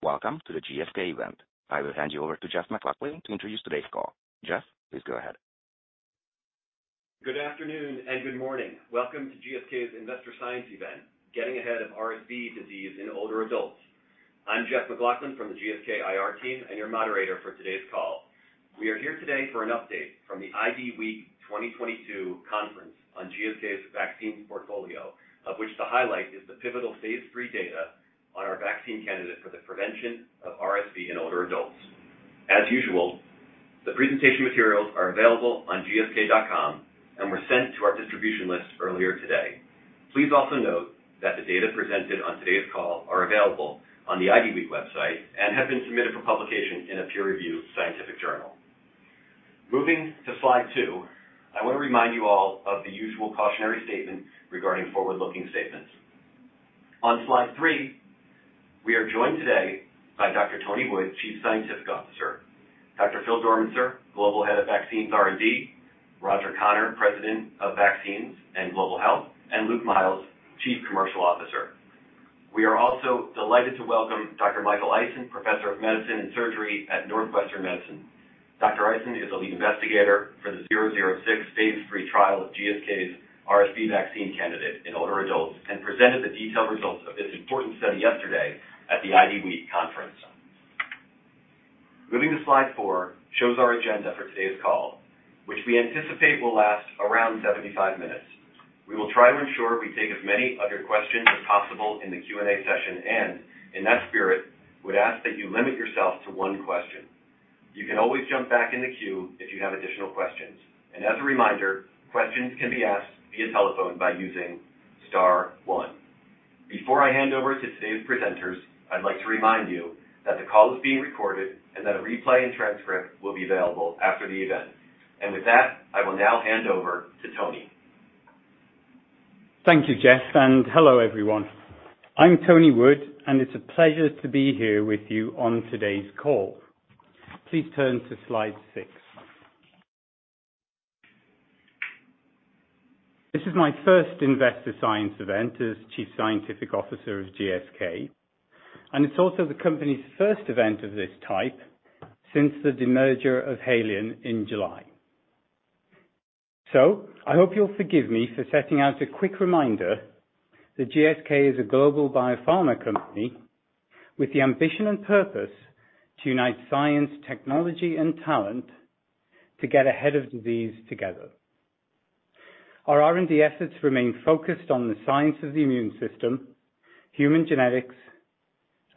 Welcome to the GSK event. I will hand you over to Jeff McLaughlin to introduce today's call. Jeff, please go ahead. Good afternoon and good morning. Welcome to GSK's Investor Science event, Getting Ahead of RSV Disease in Older Adults. I'm Jeff McLaughlin from the GSK IR team, and your moderator for today's call. We are here today for an update from the IDWeek 2022 conference on GSK's vaccine portfolio, of which the highlight is the pivotal phase III data on our vaccine candidate for the prevention of RSV in older adults. As usual, the presentation materials are available on gsk.com and were sent to our distribution list earlier today. Please also note that the data presented on today's call are available on the IDWeek website and have been submitted for publication in a peer-reviewed scientific journal. Moving to slide two, I wanna remind you all of the usual cautionary statement regarding forward-looking statements. On slide three, we are joined today by Dr. Tony Wood, Chief Scientific Officer, Dr. Phil Dormitzer, Global Head of Vaccines R&D, Roger Connor, President of Vaccines and Global Health, and Luke Miels, Chief Commercial Officer. We are also delighted to welcome Dr. Michael Ison, Professor of Medicine and Surgery at Northwestern Medicine. Dr. Ison is the lead investigator for the 006 phase III trial of GSK's RSV vaccine candidate in older adults, and presented the detailed results of this important study yesterday at the IDWeek conference. Moving to slide four, shows our agenda for today's call, which we anticipate will last around 75 minutes. We will try to ensure we take as many other questions as possible in the Q&A session, and in that spirit, would ask that you limit yourself to one question. You can always jump back in the queue if you have additional questions. As a reminder, questions can be asked via telephone by using star one. Before I hand over to today's presenters, I'd like to remind you that the call is being recorded and that a replay and transcript will be available after the event. With that, I will now hand over to Tony. Thank you, Jeff, and hello, everyone. I'm Tony Wood, and it's a pleasure to be here with you on today's call. Please turn to slide six. This is my first Investor Science event as Chief Scientific Officer of GSK, and it's also the company's first event of this type since the demerger of Haleon in July. I hope you'll forgive me for setting out a quick reminder that GSK is a global biopharma company with the ambition and purpose to unite science, technology, and talent to get ahead of disease together. Our R&D efforts remain focused on the science of the immune system, human genetics,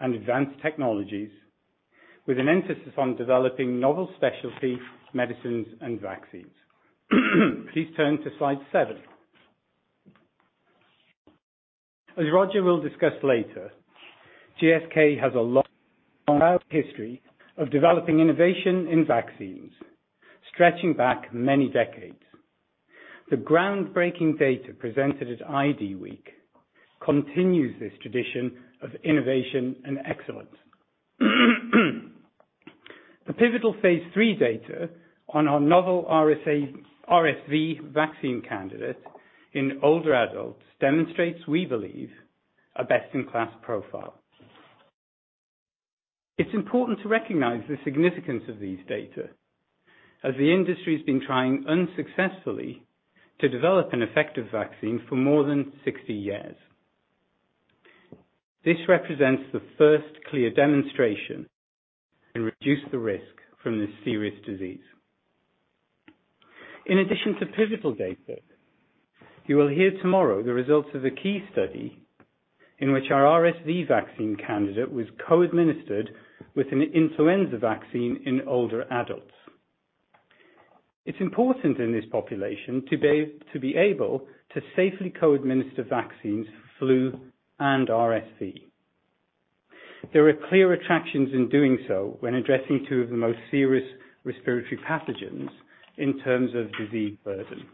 and advanced technologies, with an emphasis on developing novel specialty medicines and vaccines. Please turn to slide seven. As Roger will discuss later, GSK has a long history of developing innovation in vaccines, stretching back many decades. The groundbreaking data presented at IDWeek continues this tradition of innovation and excellence. The pivotal phase III data on our novel RSV vaccine candidate in older adults demonstrates, we believe, a best-in-class profile. It's important to recognize the significance of these data as the industry's been trying unsuccessfully to develop an effective vaccine for more than 60 years. This represents the first clear demonstration to reduce the risk from this serious disease. In addition to pivotal data, you will hear tomorrow the results of a key study in which our RSV vaccine candidate was co-administered with an influenza vaccine in older adults. It's important in this population to be able to safely co-administer vaccines, flu and RSV. There are clear attractions in doing so when addressing two of the most serious respiratory pathogens in terms of disease burden.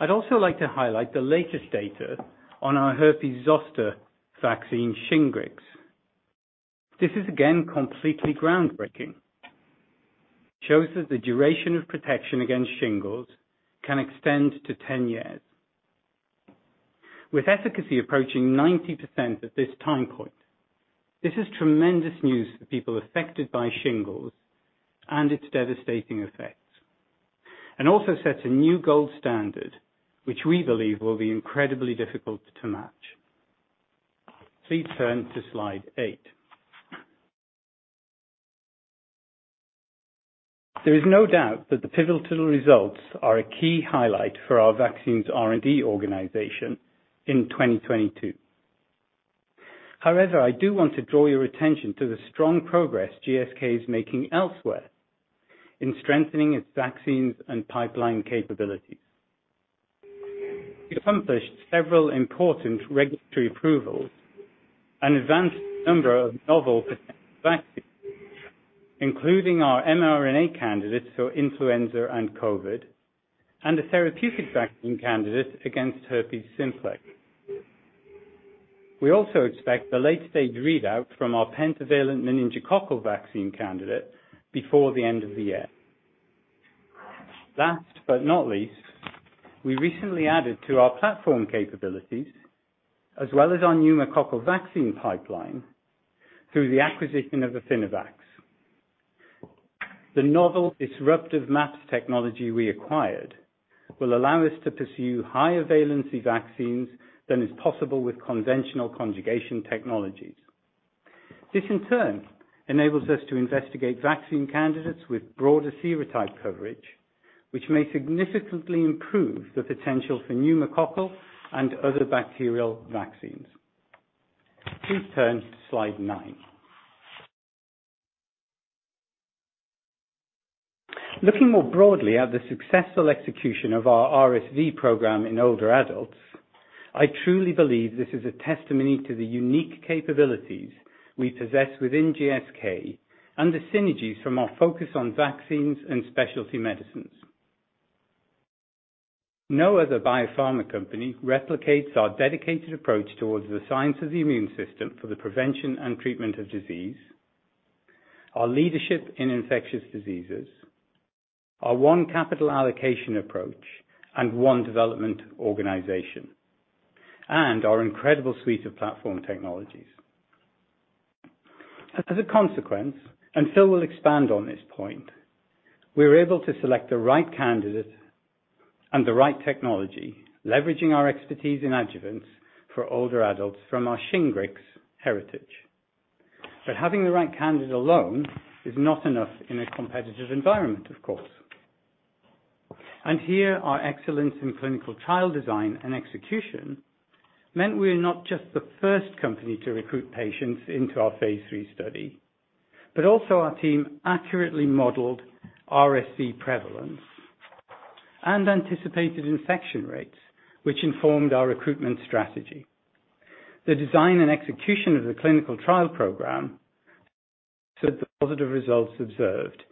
I'd also like to highlight the latest data on our herpes zoster vaccine, Shingrix. This is again completely groundbreaking. Shows that the duration of protection against shingles can extend to 10 years. With efficacy approaching 90% at this time point, this is tremendous news for people affected by shingles and its devastating effects, and also sets a new gold standard, which we believe will be incredibly difficult to match. Please turn to slide 8. There is no doubt that the pivotal results are a key highlight for our vaccines R&D organization in 2022. However, I do want to draw your attention to the strong progress GSK is making elsewhere in strengthening its vaccines and pipeline capabilities. We accomplished several important regulatory approvals, an advanced number of novel vaccines, including our mRNA candidates for influenza and COVID, and a therapeutic vaccine candidate against herpes simplex. We also expect the late-stage readout from our pentavalent meningococcal vaccine candidate before the end of the year. Last but not least, we recently added to our platform capabilities as well as our pneumococcal vaccine pipeline through the acquisition of Affinivax. The novel disruptive MAPS technology we acquired will allow us to pursue higher valency vaccines than is possible with conventional conjugation technologies. This, in turn, enables us to investigate vaccine candidates with broader serotype coverage, which may significantly improve the potential for pneumococcal and other bacterial vaccines. Please turn to slide nine. Looking more broadly at the successful execution of our RSV program in older adults, I truly believe this is a testimony to the unique capabilities we possess within GSK and the synergies from our focus on vaccines and specialty medicines. No other biopharma company replicates our dedicated approach towards the science of the immune system for the prevention and treatment of disease, our leadership in infectious diseases, our one capital allocation approach and one development organization, and our incredible suite of platform technologies. As a consequence, and Phil will expand on this point, we are able to select the right candidate and the right technology, leveraging our expertise in adjuvants for older adults from our Shingrix heritage. Having the right candidate alone is not enough in a competitive environment, of course. Here, our excellence in clinical trial design and execution meant we are not just the first company to recruit patients into our phase III study, but also our team accurately modeled RSV prevalence and anticipated infection rates, which informed our recruitment strategy. The design and execution of the clinical trial program set the positive results observed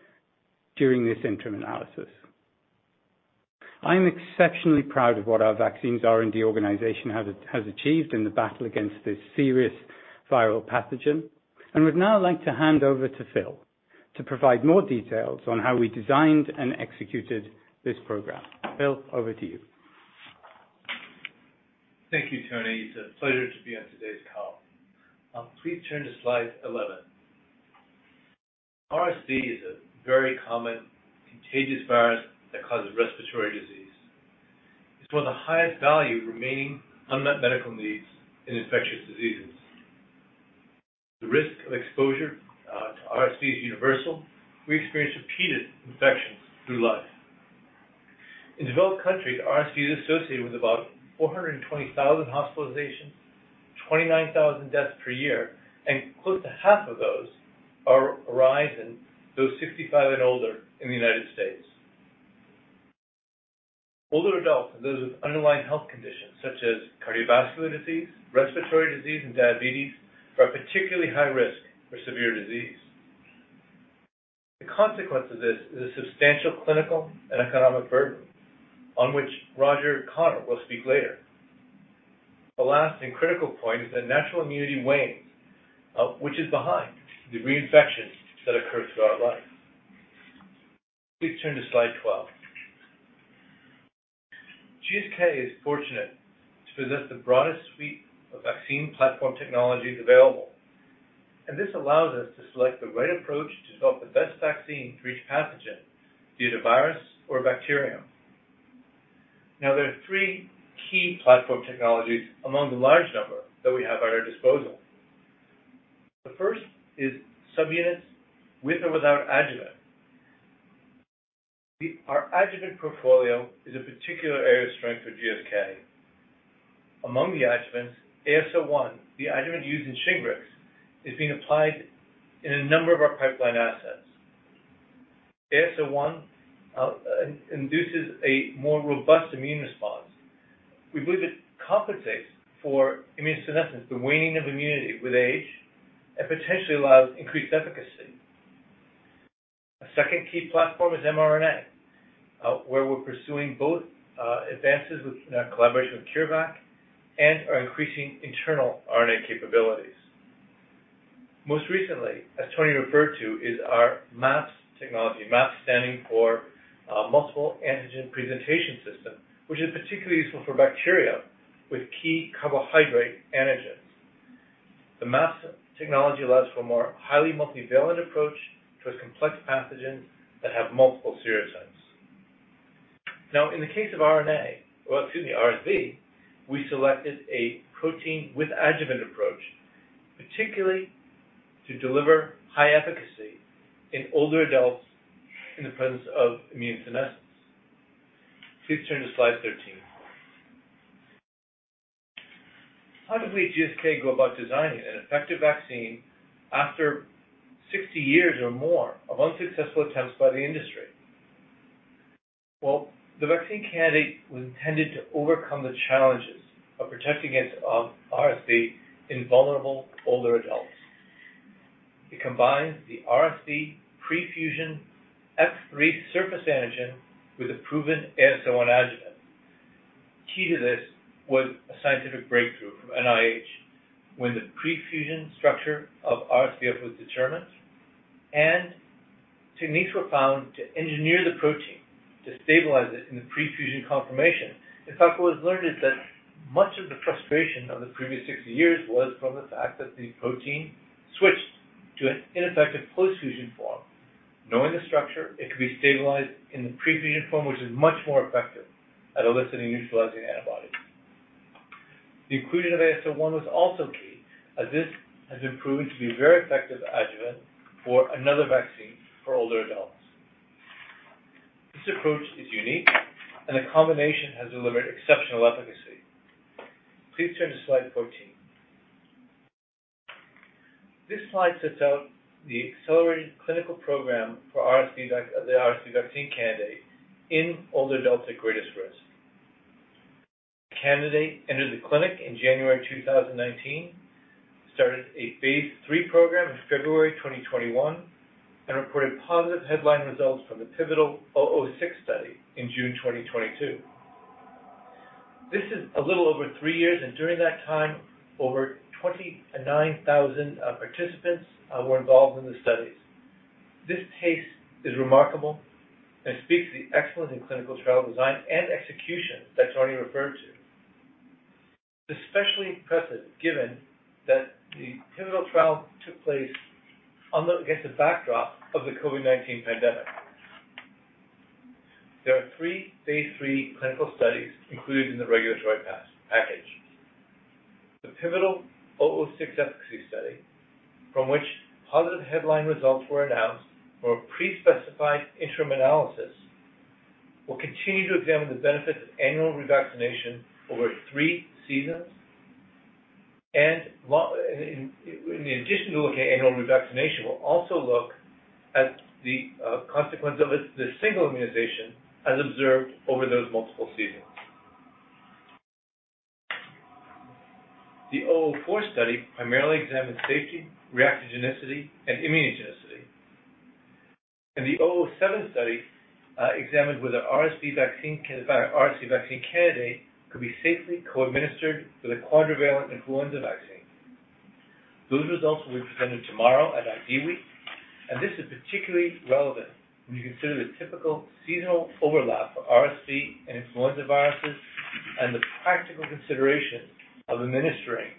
during this interim analysis. I am exceptionally proud of what our vaccines R&D organization has achieved in the battle against this serious viral pathogen and would now like to hand over to Phil to provide more details on how we designed and executed this program. Phil, over to you. Thank you, Tony. It's a pleasure to be on today's call. Please turn to slide 11. RSV is a very common contagious virus that causes respiratory disease. It's one of the highest value remaining unmet medical needs in infectious diseases. The risk of exposure to RSV is universal. We experience repeated infections through life. In developed countries, RSV is associated with about 420,000 hospitalizations, 29,000 deaths per year, and close to half of those arise in those 65 and older in the United States. Older adults and those with underlying health conditions such as cardiovascular disease, respiratory disease, and diabetes are at particularly high risk for severe disease. The consequence of this is a substantial clinical and economic burden on which Roger Connor will speak later. The last and critical point is that natural immunity wanes, which is behind the reinfections that occur throughout life. Please turn to slide 12. GSK is fortunate to possess the broadest suite of vaccine platform technologies available, and this allows us to select the right approach to develop the best vaccine for each pathogen be it a virus or bacterium. There are three key platform technologies among the large number that we have at our disposal. The first is subunits with or without adjuvant. Our adjuvant portfolio is a particular area of strength for GSK. Among the adjuvants, AS01, the adjuvant used in Shingrix, is being applied in a number of our pipeline assets. AS01 induces a more robust immune response. We believe it compensates for immune senescence, the waning of immunity with age, and potentially allows increased efficacy. A second key platform is mRNA, where we're pursuing both, advances within our collaboration with CureVac and are increasing internal RNA capabilities. Most recently, as Tony referred to, is our MAPS technology, MAPS standing for Multiple Antigen Presentation System, which is particularly useful for bacteria with key carbohydrate antigens. The MAPS technology allows for a more highly multivalent approach to a complex pathogen that have multiple serotypes. Now, RSV, we selected a protein with adjuvant approach, particularly to deliver high efficacy in older adults in the presence of immune senescence. Please turn to slide 13. How did we, GSK, go about designing an effective vaccine after 60 years or more of unsuccessful attempts by the industry? Well, the vaccine candidate was intended to overcome the challenges of protecting against RSV in vulnerable older adults. It combines the RSV pre-fusion F3 surface antigen with a proven AS01 Adjuvant. Key to this was a scientific breakthrough from NIH when the pre-fusion structure of RSV was determined and techniques were found to engineer the protein to stabilize it in the pre-fusion conformation. In fact, what was learned is that much of the frustration of the previous 60 years was from the fact that the protein switched to an ineffective post-fusion form. Knowing the structure, it could be stabilized in the pre-fusion form, which is much more effective at eliciting neutralizing antibodies. The inclusion of AS01 was also key as this has been proven to be very effective adjuvant for another vaccine for older adults. This approach is unique, and the combination has delivered exceptional efficacy. Please turn to slide 14. This slide sets out the accelerated clinical program for RSV, the RSV vaccine candidate in older adults at greatest risk. The candidate entered the clinic in January 2019, started a phase III program in February 2021, and reported positive headline results from the pivotal 006 study in June 2022. This is a little over three years, and during that time, over 29,000 participants were involved in the studies. This pace is remarkable and speaks to the excellence in clinical trial design and execution that Tony referred to. It's especially impressive given that the pivotal trial took place against the backdrop of the COVID-19 pandemic. There are three phase III clinical studies included in the regulatory package. The pivotal 006 efficacy study from which positive headline results were announced for a prespecified interim analysis will continue to examine the benefits of annual revaccination over three seasons, and in addition to looking at annual revaccination, will also look at the consequence of the single immunization as observed over those multiple seasons. The 004 study primarily examined safety, reactogenicity, and immunogenicity. The 007 study examined whether RSV vaccine candidate could be safely co-administered with a quadrivalent influenza vaccine. Those results will be presented tomorrow at IDWeek, and this is particularly relevant when you consider the typical seasonal overlap for RSV and influenza viruses and the practical considerations of administering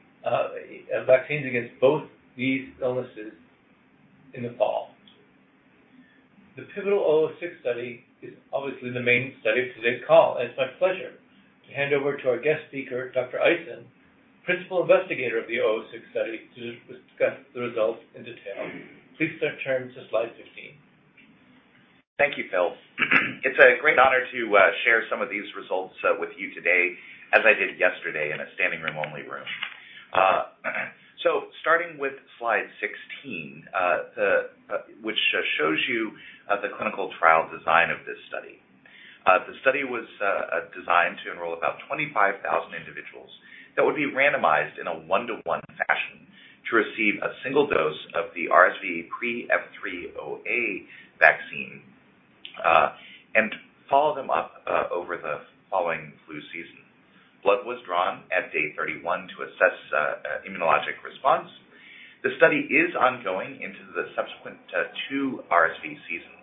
vaccines against both these illnesses in the fall. The pivotal 006 study is obviously the main study for today's call, and it's my pleasure to hand over to our guest speaker, Dr. Ison, Principal Investigator of the 006 study, to discuss the results in detail. Please turn to slide 15. Thank you, Phil. It's a great honor to share some of these results with you today, as I did yesterday in a standing room only room. Starting with slide 16, which shows you the clinical trial design of this study. The study was designed to enroll about 25,000 individuals that would be randomized in a 1:1 fashion to receive a single dose of the RSVPreF3 OA vaccine, and follow them up over the following flu season. Blood was drawn at day 31 to assess immunologic response. The study is ongoing into the subsequent two RSV seasons.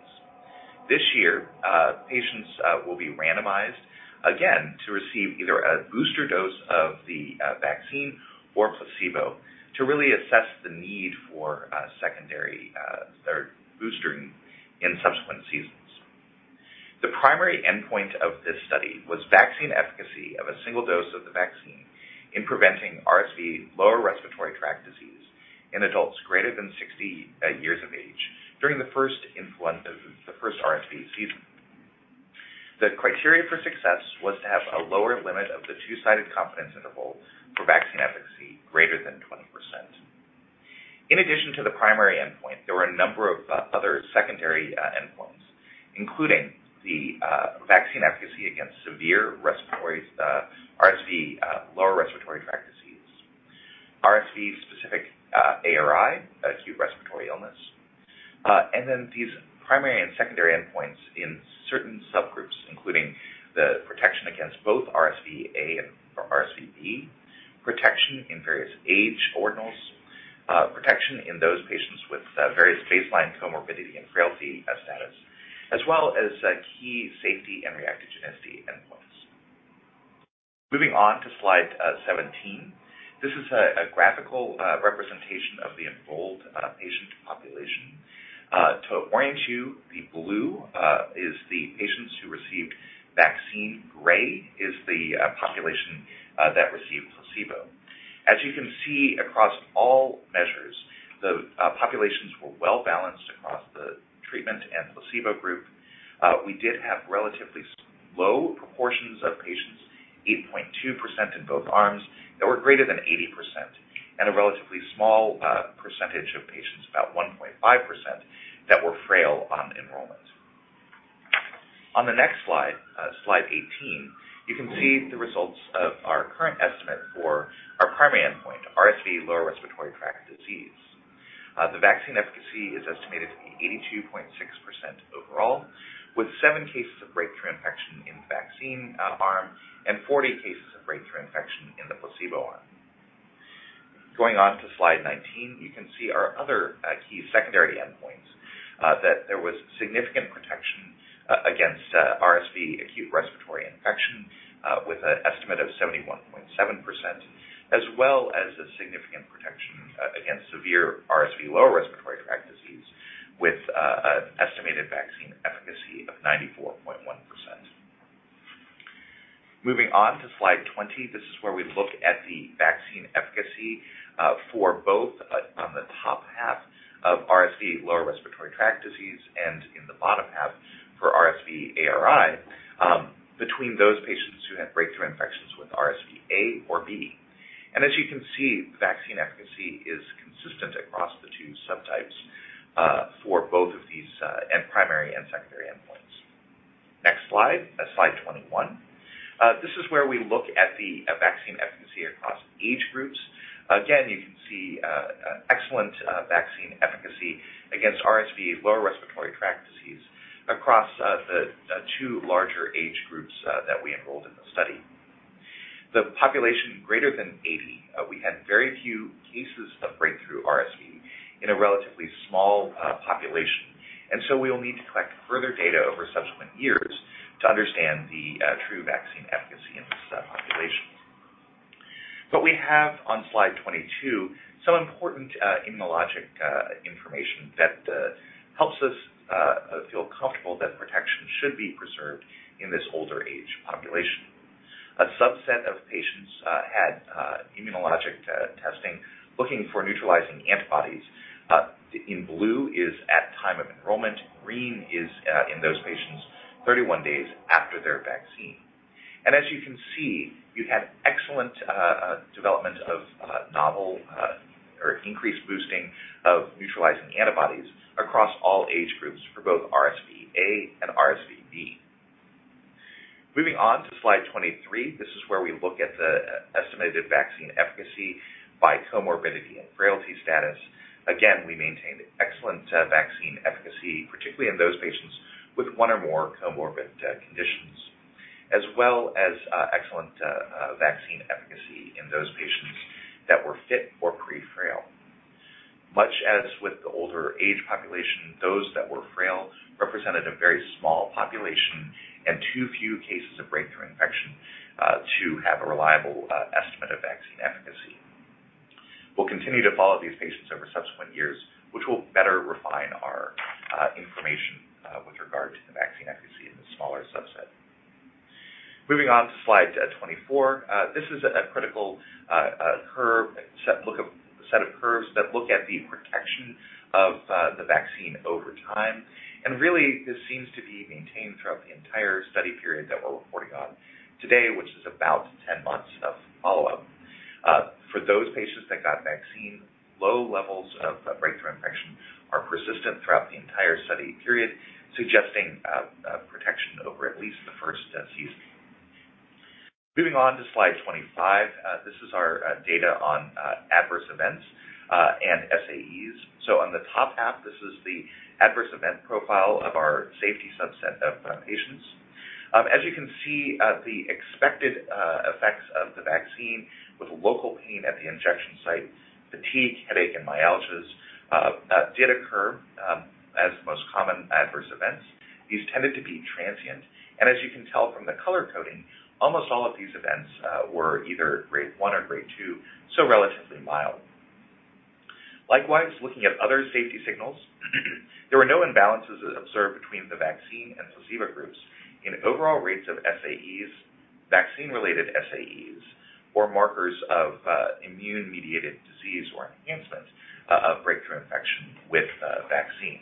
This year, patients will be randomized again to receive either a booster dose of the vaccine or placebo to really assess the need for secondary or boostering in subsequent seasons. The primary endpoint of this study was vaccine efficacy of a single dose of the vaccine in preventing RSV lower respiratory tract disease in adults greater than 60 years of age during the first RSV season. The criteria for success was to have a lower limit of the two-sided confidence interval for vaccine efficacy greater than 20%. In addition to the primary endpoint, there were a number of other secondary endpoints, including the vaccine efficacy against severe respiratory RSV lower respiratory tract disease, RSV-specific ARI, acute respiratory illness, and then these primary and secondary endpoints in certain subgroups, including the protection against both RSV A and RSV B, protection in various age ordinals, protection in those patients with various baseline comorbidity and frailty status, as well as key safety and reactogenicity endpoints. Moving on to slide 17. This is a graphical representation of the enrolled patient population. To orient you, the blue is the patients who received vaccine. Gray is the population that received placebo. As you can see across all measures, the populations were well-balanced across the treatment and placebo group. We did have relatively low proportions of patients, 8.2% in both arms, that were greater than 80% and a relatively small percentage of patients, about 1.5%, that were frail on enrollment. On the next slide 18, you can see the results of our current estimate for our primary endpoint, RSV lower respiratory tract disease. The vaccine efficacy is estimated to be 82.6% overall, with seven cases of breakthrough infection in the vaccine arm and 40 cases of breakthrough infection in the placebo arm. Going on to slide 19, you can see our other key secondary endpoints that there was significant protection against RSV acute respiratory infection, with an estimate of 71.7%, as well as a significant protection against severe RSV lower respiratory tract disease with an estimated vaccine efficacy of 94.1%. Moving on to slide 20, this is where we look at the vaccine efficacy for both on the top half of RSV lower respiratory tract disease and in the bottom half for RSV ARI between those patients who have breakthrough infections with RSV A or B. As you can see, vaccine efficacy is consistent across the two subtypes for both of these primary and secondary endpoints. Next slide 21. This is where we look at the vaccine efficacy across age groups. Again, you can see excellent vaccine efficacy against RSV lower respiratory tract disease across the two larger age groups that we enrolled in the study. The population greater than 80, we had very few cases of breakthrough RSV in a relatively small population. We will need to collect further data over subsequent years to understand the true vaccine efficacy in these populations. We have on slide 22 some important immunologic information that helps us feel comfortable that protection should be preserved in this older age population. A subset of patients had immunologic testing looking for neutralizing antibodies. In blue is at time of enrollment. Green is in those patients 31 days after their vaccine. As you can see, you had excellent development of novel or increased boosting of neutralizing antibodies across all age groups for both RSV A and RSV B. Moving on to slide 23, this is where we look at the estimated vaccine efficacy by comorbidity and frailty status. Again, we maintained excellent vaccine efficacy, particularly in those patients with one or more comorbid conditions, as well as excellent vaccine efficacy in those patients that were fit or pre-frail. Much as with the older age population, those that were frail represented a very small population and too few cases of breakthrough infection to have a reliable estimate of vaccine efficacy. We'll continue to follow these patients over subsequent years, which will better refine our information with regard to the vaccine efficacy in the smaller subset. Moving on to slide 24, this is a critical set of curves that look at the protection of the vaccine over time. Really, this seems to be maintained throughout the entire study period that we're reporting on today, which is about 10 months of follow-up. For those patients that got vaccine, low levels of breakthrough infection are persistent throughout the entire study period, suggesting protection over at least the first season. Moving on to slide 25, this is our data on adverse events and SAEs. On the top half, this is the adverse event profile of our safety subset of patients. As you can see, the expected effects of the vaccine with local pain at the injection site, fatigue, headache, and myalgias did occur as the most common adverse events. These tended to be transient. As you can tell from the color coding, almost all of these events were either grade one or grade two, so relatively mild. Likewise, looking at other safety signals, there were no imbalances observed between the vaccine and placebo groups in overall rates of SAEs, vaccine-related SAEs, or markers of immune-mediated disease or enhancement of breakthrough infection with a vaccine.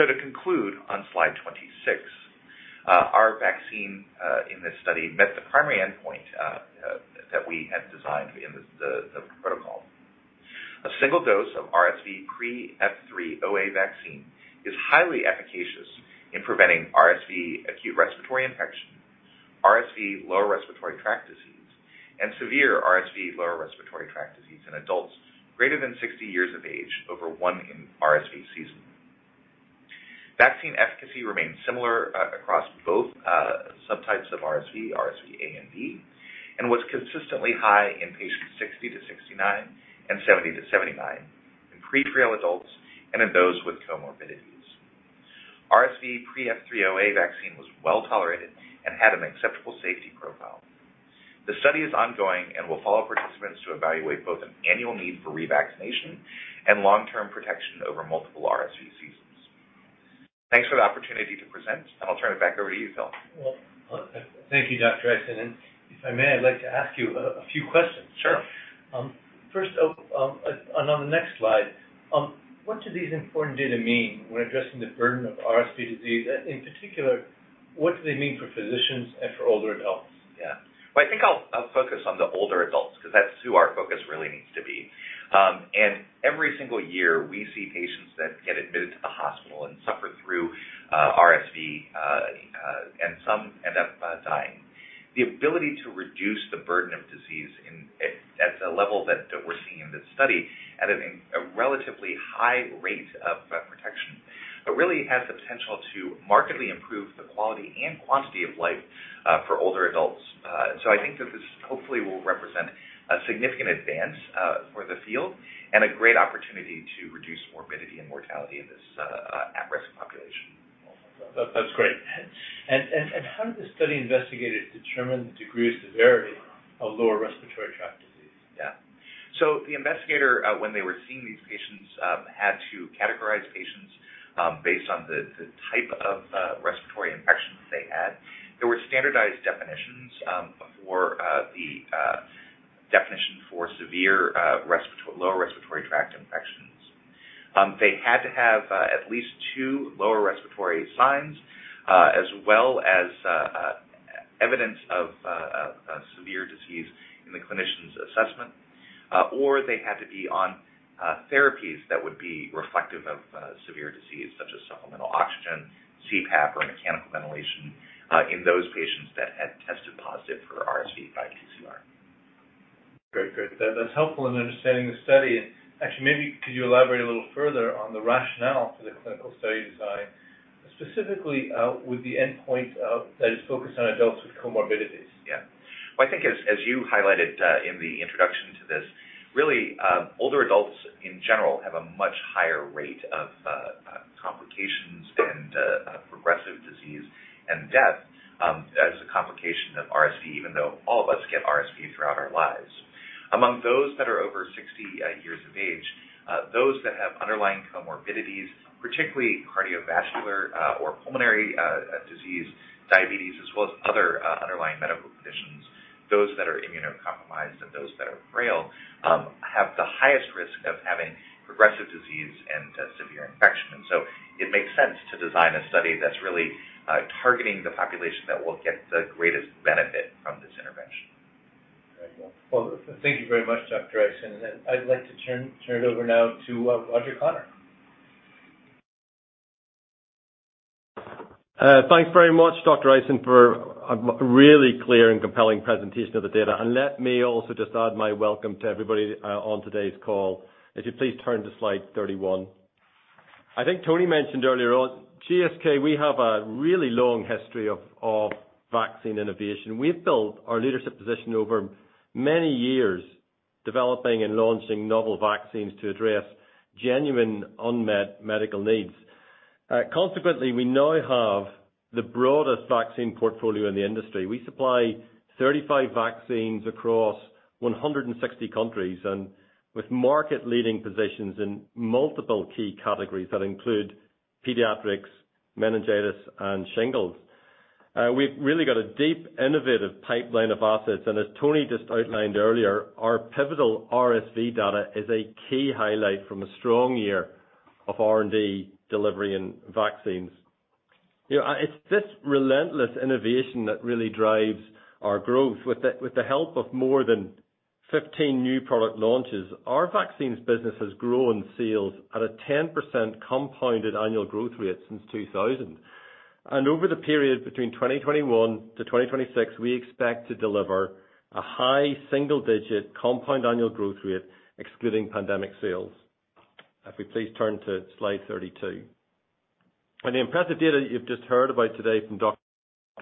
To conclude on slide 26, our vaccine in this study met the primary endpoint that we had designed in the protocol. A single dose of RSVPreF3 OA vaccine is highly efficacious in preventing RSV acute respiratory infection, RSV lower respiratory tract disease, and severe RSV lower respiratory tract disease in adults greater than 60 years of age over one RSV season. Vaccine efficacy remains similar across both subtypes of RSV A and B, and was consistently high in patients 60-69 and 70-79 in pre-frail adults and in those with comorbidities. RSVPreF3 OA vaccine was well-tolerated and had an acceptable safety profile. The study is ongoing and will follow participants to evaluate both an annual need for revaccination and long-term protection over multiple RSV seasons. Thanks for the opportunity to present, and I'll turn it back over to you, Phil. Well, thank you, Dr. Michael G. Ison. If I may, I'd like to ask you a few questions. Sure. First, on the next slide, what do these important data mean when addressing the burden of RSV disease? In particular, what do they mean for physicians and for older adults? Yeah. Well, I think I'll focus on the older adults because that's who our focus really needs to be. Every single year, we see patients that get admitted to the hospital and suffer through RSV, and some end up. The ability to reduce the burden of disease at a level that we're seeing in this study at a relatively high rate of protection, it really has the potential to markedly improve the quality and quantity of life for older adults. I think that this hopefully will represent a significant advance for the field and a great opportunity to reduce morbidity and mortality in this at-risk population. That, that's great. How did the study investigators determine the degree of severity of lower respiratory tract disease? Yeah. The investigator, when they were seeing these patients, had to categorize patients based on the type of respiratory infections they had. There were standardized definitions for the definition for severe lower respiratory tract infections. They had to have at least two lower respiratory signs as well as evidence of severe disease in the clinician's assessment. Or they had to be on therapies that would be reflective of severe disease, such as supplemental oxygen, CPAP, or mechanical ventilation, in those patients that had tested positive for RSV by PCR. Very good. That's helpful in understanding the study. Actually, maybe could you elaborate a little further on the rationale for the clinical study design, specifically, with the endpoint that is focused on adults with comorbidities? Yeah. Well, I think as you highlighted in the introduction to this, really, older adults in general have a much higher rate of complications and progressive disease and death as a complication of RSV, even though all of us get RSV throughout our lives. Among those that are over 60 years of age, those that have underlying comorbidities, particularly cardiovascular or pulmonary disease, diabetes, as well as other underlying medical conditions, those that are immunocompromised and those that are frail have the highest risk of having progressive disease and severe infection. It makes sense to design a study that's really targeting the population that will get the greatest benefit from this intervention. Very well. Well, thank you very much, Dr. Ison. I'd like to turn it over now to Roger Connor. Thanks very much, Dr. Michael G. Ison, for a really clear and compelling presentation of the data. Let me also just add my welcome to everybody on today's call. If you please turn to slide 31. I think Tony mentioned earlier on, GSK, we have a really long history of vaccine innovation. We've built our leadership position over many years, developing and launching novel vaccines to address genuine unmet medical needs. Consequently, we now have the broadest vaccine portfolio in the industry. We supply 35 vaccines across 160 countries and with market-leading positions in multiple key categories that include pediatrics, meningitis, and shingles. We've really got a deep innovative pipeline of assets. As Tony just outlined earlier, our pivotal RSV data is a key highlight from a strong year of R&D delivery in vaccines. You know, it's this relentless innovation that really drives our growth. With the help of more than 15 new product launches, our vaccines business has grown sales at a 10% compounded annual growth rate since 2000. Over the period between 2021 to 2026, we expect to deliver a high single-digit compound annual growth rate, excluding pandemic sales. If we please turn to slide 32. The impressive data you've just heard about today from Dr.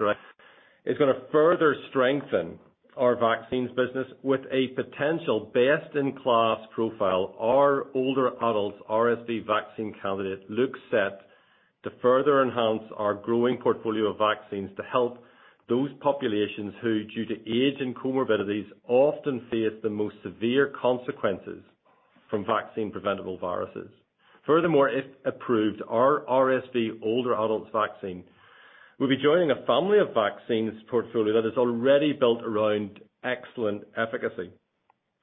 Michael G. Ison is gonna further strengthen our vaccines business with a potential best-in-class profile. Our older adults RSV vaccine candidate looks set to further enhance our growing portfolio of vaccines to help those populations who, due to age and comorbidities, often face the most severe consequences from vaccine-preventable viruses. Furthermore, if approved, our RSV older adults vaccine will be joining a family of vaccines portfolio that is already built around excellent efficacy.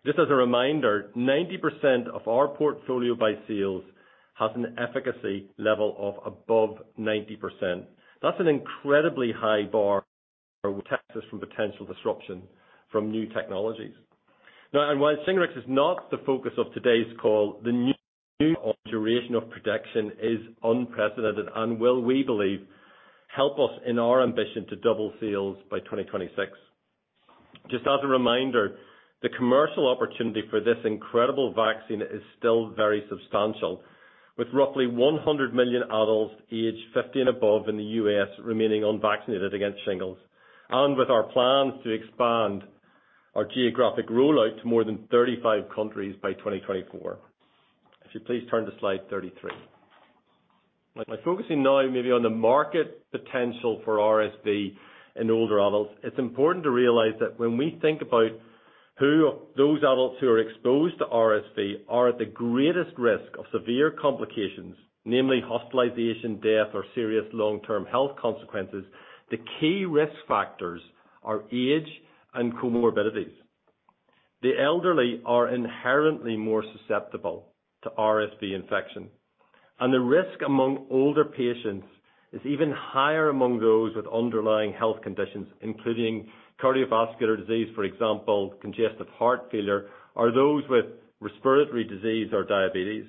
Just as a reminder, 90% of our portfolio by sales has an efficacy level of above 90%. That's an incredibly high bar which protects us from potential disruption from new technologies. Now, and while Shingrix is not the focus of today's call, the new duration of protection is unprecedented and will, we believe, help us in our ambition to double sales by 2026. Just as a reminder, the commercial opportunity for this incredible vaccine is still very substantial. With roughly 100 million adults aged 50 and above in the U.S. remaining unvaccinated against shingles, and with our plans to expand our geographic rollout to more than 35 countries by 2024. If you please turn to slide 33. By focusing now maybe on the market potential for RSV in older adults, it's important to realize that when we think about who of those adults who are exposed to RSV are at the greatest risk of severe complications, namely hospitalization, death, or serious long-term health consequences, the key risk factors are age and comorbidities. The elderly are inherently more susceptible to RSV infection, and the risk among older patients is even higher among those with underlying health conditions, including cardiovascular disease, for example, congestive heart failure, or those with respiratory disease or diabetes.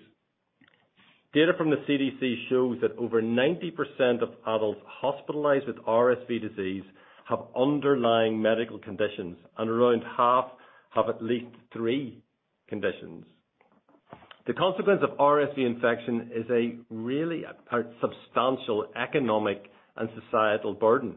Data from the CDC shows that over 90% of adults hospitalized with RSV disease have underlying medical conditions, and around half have at least three conditions. The consequence of RSV infection is a substantial economic and societal burden.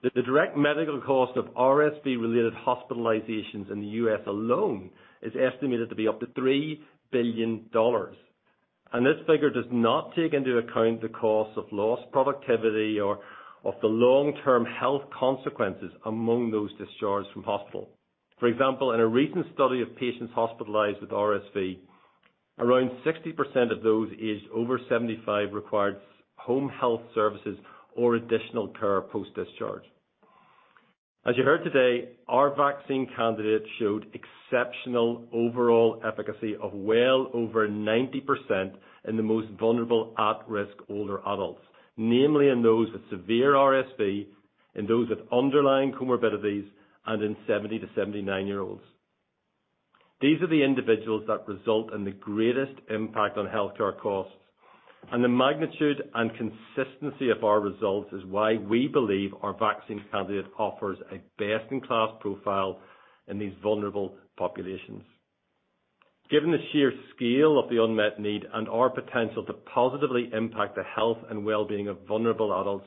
The direct medical cost of RSV-related hospitalizations in the U.S. alone is estimated to be up to $3 billion. This figure does not take into account the cost of lost productivity or of the long-term health consequences among those discharged from hospital. For example, in a recent study of patients hospitalized with RSV, around 60% of those aged over 75 required home health services or additional care post-discharge. As you heard today, our vaccine candidate showed exceptional overall efficacy of well over 90% in the most vulnerable at-risk older adults, namely in those with severe RSV, in those with underlying comorbidities, and in 70-79-year-olds. These are the individuals that result in the greatest impact on healthcare costs. The magnitude and consistency of our results is why we believe our vaccine candidate offers a best-in-class profile in these vulnerable populations. Given the sheer scale of the unmet need and our potential to positively impact the health and well-being of vulnerable adults,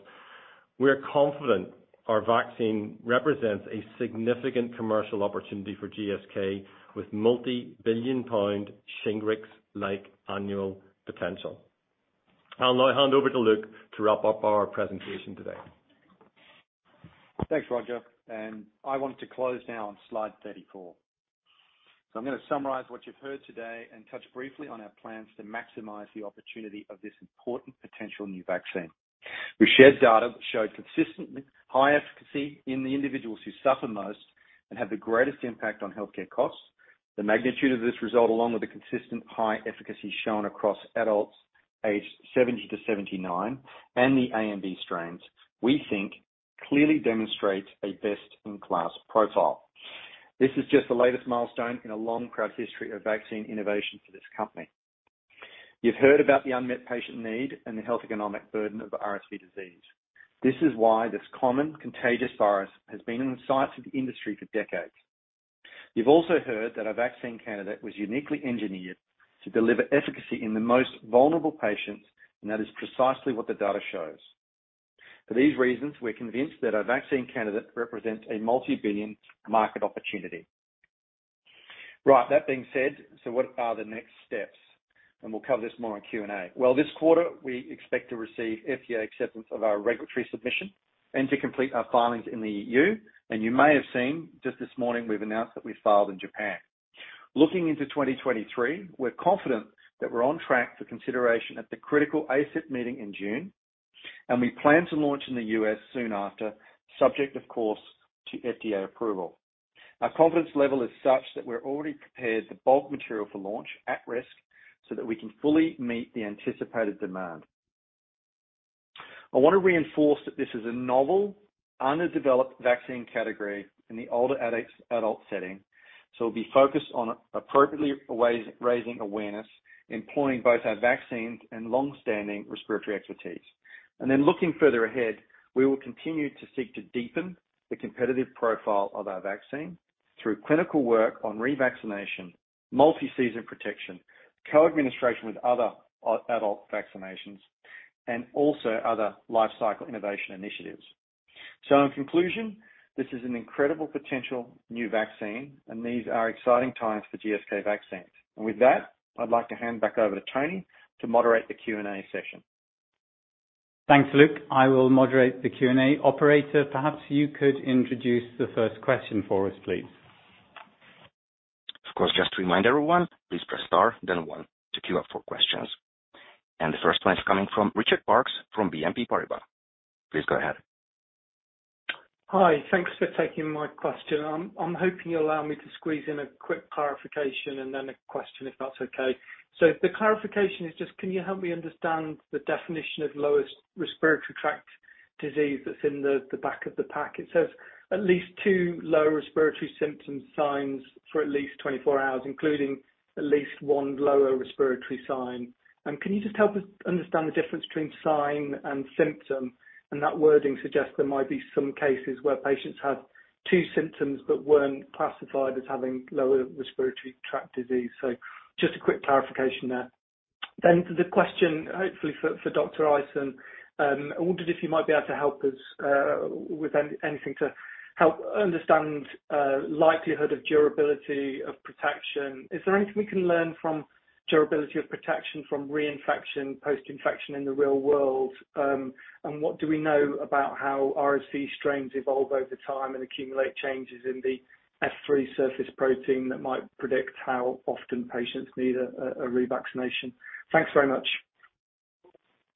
we are confident our vaccine represents a significant commercial opportunity for GSK with multi-billion GBP Shingrix-like annual potential. I'll now hand over to Luke to wrap up our presentation today. Thanks, Roger, and I want to close now on slide 34. I'm gonna summarize what you've heard today and touch briefly on our plans to maximize the opportunity of this important potential new vaccine. We've shared data that showed consistent high efficacy in the individuals who suffer most and have the greatest impact on healthcare costs. The magnitude of this result, along with the consistent high efficacy shown across adults aged 70-79, and the A and B strains, we think clearly demonstrates a best-in-class profile. This is just the latest milestone in a long, proud history of vaccine innovation for this company. You've heard about the unmet patient need and the health economic burden of RSV disease. This is why this common contagious virus has been in the sights of the industry for decades. You've also heard that our vaccine candidate was uniquely engineered to deliver efficacy in the most vulnerable patients, and that is precisely what the data shows. For these reasons, we're convinced that our vaccine candidate represents a multi-billion market opportunity. Right, that being said, what are the next steps? We'll cover this more in Q&A. Well, this quarter, we expect to receive FDA acceptance of our regulatory submission and to complete our filings in the E.U. You may have seen, just this morning, we've announced that we filed in Japan. Looking into 2023, we're confident that we're on track for consideration at the critical ACIP meeting in June, and we plan to launch in the U.S. soon after, subject of course, to FDA approval. Our confidence level is such that we're already prepared the bulk material for launch at risk so that we can fully meet the anticipated demand. I wanna reinforce that this is a novel, underdeveloped vaccine category in the older adult setting, so be focused on appropriately raising awareness, employing both our vaccines and long-standing respiratory expertise. Looking further ahead, we will continue to seek to deepen the competitive profile of our vaccine through clinical work on revaccination, multi-season protection, co-administration with other adult vaccinations, and also other lifecycle innovation initiatives. In conclusion, this is an incredible potential new vaccine, and these are exciting times for GSK Vaccines. With that, I'd like to hand back over to Tony to moderate the Q&A session. Thanks, Luke. I will moderate the Q&A. Operator, perhaps you could introduce the first question for us, please. Of course. Just to remind everyone, please press star then one to queue up for questions. The first one is coming from Richard Parkes from BNP Paribas. Please go ahead. Hi. Thanks for taking my question. I'm hoping you'll allow me to squeeze in a quick clarification and then a question, if that's okay. The clarification is just, can you help me understand the definition of lower respiratory tract disease that's in the back of the pack? It says at least two lower respiratory symptoms/signs for at least 24 hours, including at least one lower respiratory sign. Can you just help us understand the difference between sign and symptom? And that wording suggests there might be some cases where patients had two symptoms but weren't classified as having lower respiratory tract disease. Just a quick clarification there. The question, hopefully for Dr. Ison. I wondered if you might be able to help us with anything to help understand likelihood of durability of protection. Is there anything we can learn from durability of protection from reinfection, post-infection in the real world? What do we know about how RSV strains evolve over time and accumulate changes in the F3 surface protein that might predict how often patients need a revaccination? Thanks very much.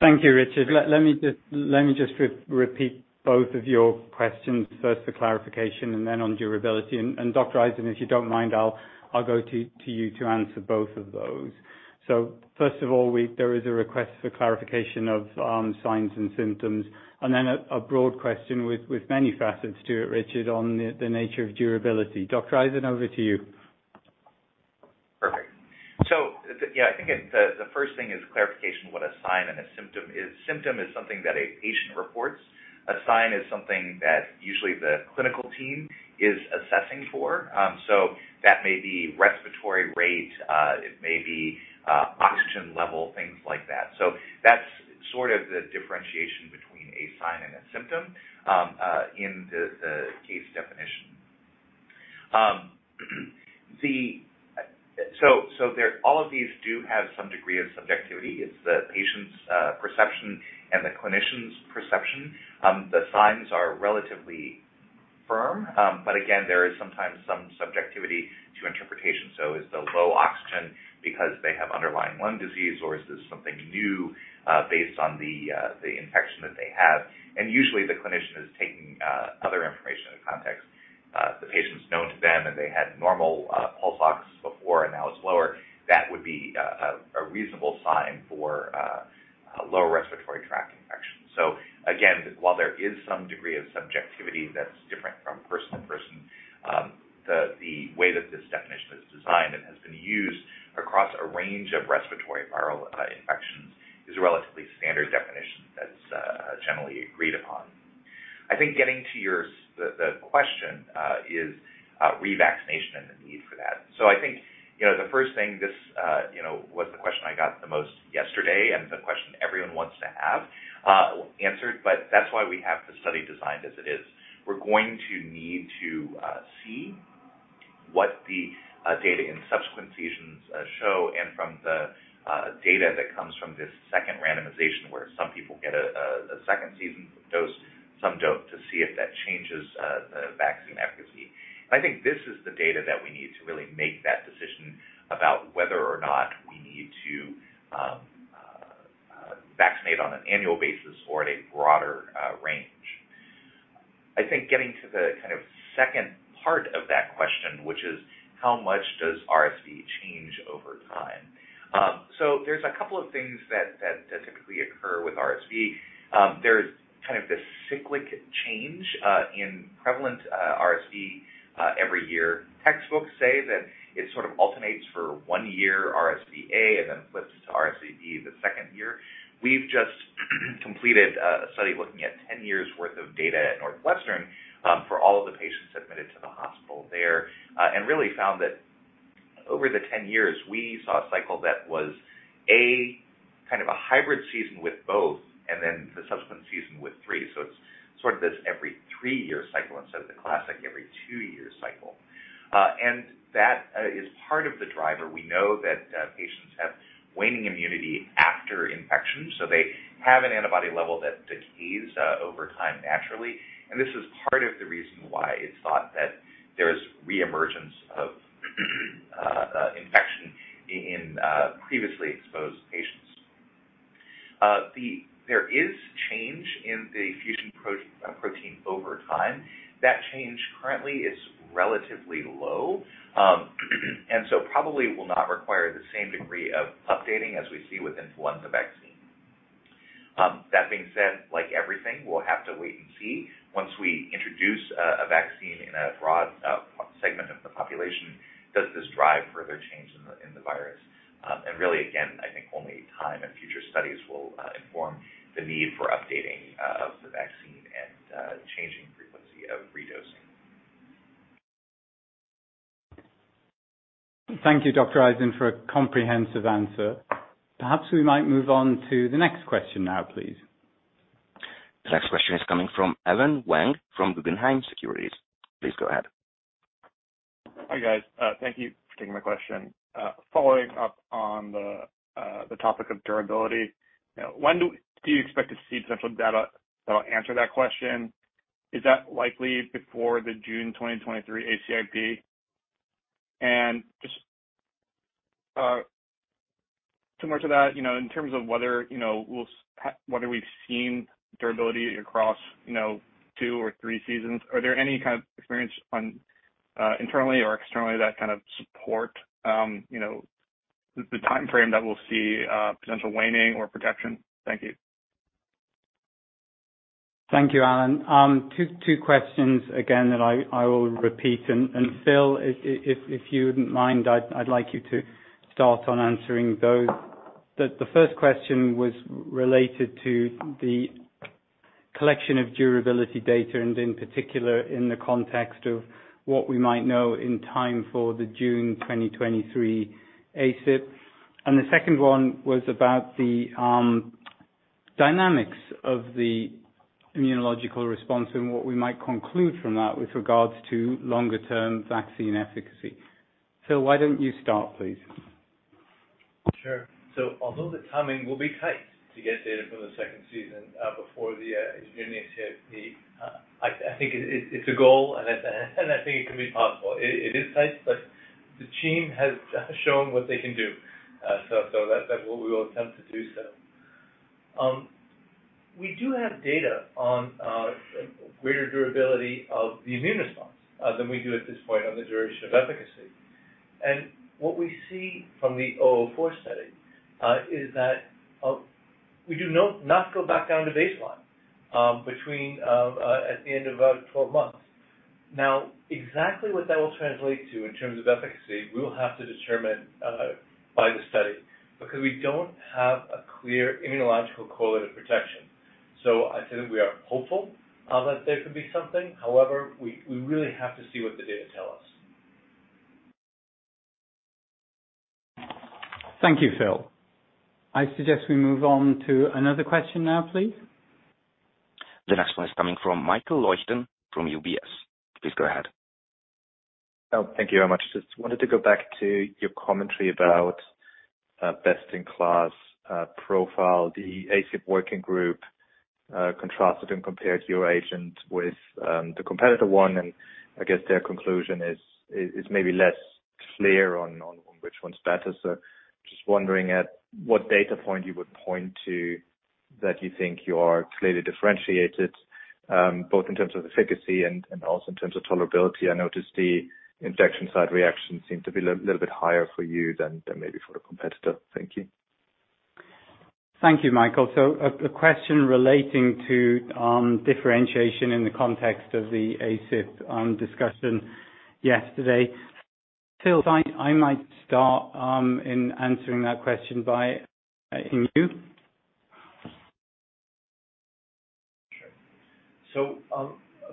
Thank you, Richard. Let me just repeat both of your questions, first for clarification and then on durability. Dr. Ison, if you don't mind, I'll go to you to answer both of those. First of all, there is a request for clarification of signs and symptoms, and then a broad question with many facets to it, Richard, on the nature of durability. Dr. Ison, over to you. Perfect. Yeah, I think the first thing is clarification what a sign and a symptom is. Symptom is something that a patient reports. A sign is something that usually the clinical team is assessing for. That may be respiratory rate, it may be, oxygen level, things like that. That's sort of the differentiation between a sign and a symptom in the case definition. All of these do have some degree of subjectivity. It's the patient's perception and the clinician's perception. The signs are relatively firm. Again, there is sometimes some subjectivity to interpretation. Is the low oxygen because they have underlying lung disease, or is this something new, based on the infection that they have? Usually the clinician is taking other information into context. If the patient's known to them, and they had normal pulse ox before and now it's lower, that would be a reasonable sign for low respiratory tract infection. Again, while there is some degree of subjectivity that's different from person to person, the way that this definition is designed and has been used across a range of respiratory viral infections is a relatively standard definition that's generally agreed upon. I think getting to your question is revaccination and the need for that. I think, you know, the first thing was the question I got the most yesterday and the question everyone wants to have answered, but that's why we have the study designed as it is. We're going to need to see what the data in subsequent seasons show and from the data that comes from this second randomization, where some people get a second season dose, some don't, to see if that changes the vaccine efficacy. I think this is the data that we need to really make that decision about whether or not we need to vaccinate on an annual basis or at a broader range. I think getting to the kind of second part of that question, which is: How much does RSV change over time? There's a couple of things that typically occur with RSV. There's kind of this cyclic change in prevalent RSV every year. Textbooks say that it sort of alternates for one year RSV A and then flips to RSV B the second year. We've just completed a study looking at 10 years' worth of data at Northwestern for all of the patients admitted to the hospital there and really found that over the 10 years, we saw a cycle that was a kind of a hybrid season with both and then the subsequent season with three. It's sort of this every three-year cycle instead of the classic every two-year cycle. That is part of the driver. We know that patients have waning immunity after infection, so they have an antibody level that decays over time naturally. This is part of the reason why it's thought that there's reemergence of infection in previously exposed patients. There is change in the fusion protein over time. That change currently is relatively low, and so probably will not require the same degree of updating as we see with influenza vaccine. That being said, like everything, we'll have to wait and see. Once we introduce a vaccine in a broad segment of the population, does this drive further change in the virus? Really, again, I think only time and future studies will inform the need for updating of the vaccine and changing frequency of redosing. Thank you, Dr. Michael G. Ison, for a comprehensive answer. Perhaps we might move on to the next question now, please. The next question is coming from Vamil Divan from Guggenheim Securities. Please go ahead. Hi, guys. Thank you for taking my question. Following up on the topic of durability, you know, when do you expect to see potential data that'll answer that question? Is that likely before the June 2023 ACIP? Just similar to that, you know, in terms of whether, you know, we've seen durability across, you know, two or three seasons, are there any kind of experience internally or externally that kind of support, you know, the timeframe that we'll see potential waning or protection? Thank you. Thank you, Vamil. Two questions again that I will repeat. Phil, if you wouldn't mind, I'd like you to start on answering those. The first question was related to the collection of durability data and in particular in the context of what we might know in time for the June 2023 ACIP. The second one was about the dynamics of the immunological response and what we might conclude from that with regards to longer-term vaccine efficacy. Phil, why don't you start, please? Sure. Although the timing will be tight to get data from the second season before the June ACIP, I think it's a goal and I think it can be possible. It is tight, but the team has shown what they can do. That's what we will attempt to do. We do have data on greater durability of the immune response than we do at this point on the duration of efficacy. What we see from the 004 study is that. We do not go back down to baseline, between, at the end of our 12 months. Now, exactly what that will translate to in terms of efficacy, we will have to determine, by the study, because we don't have a clear immunological correlate of protection. I'd say that we are hopeful, that there could be something. However, we really have to see what the data tell us. Thank you, Phil. I suggest we move on to another question now, please. The next one is coming from Michael Leuchten from UBS. Please go ahead. Oh, thank you very much. Just wanted to go back to your commentary about best-in-class profile. The ACIP working group contrasted and compared your agent with the competitor one, and I guess their conclusion is maybe less clear on which one's better. Just wondering at what data point you would point to that you think you are clearly differentiated both in terms of efficacy and also in terms of tolerability. I noticed the injection site reactions seem to be a little bit higher for you than maybe for the competitor. Thank you. Thank you, Michael. A question relating to differentiation in the context of the ACIP discussion yesterday. Phil, I might start in answering that question by including you. Sure.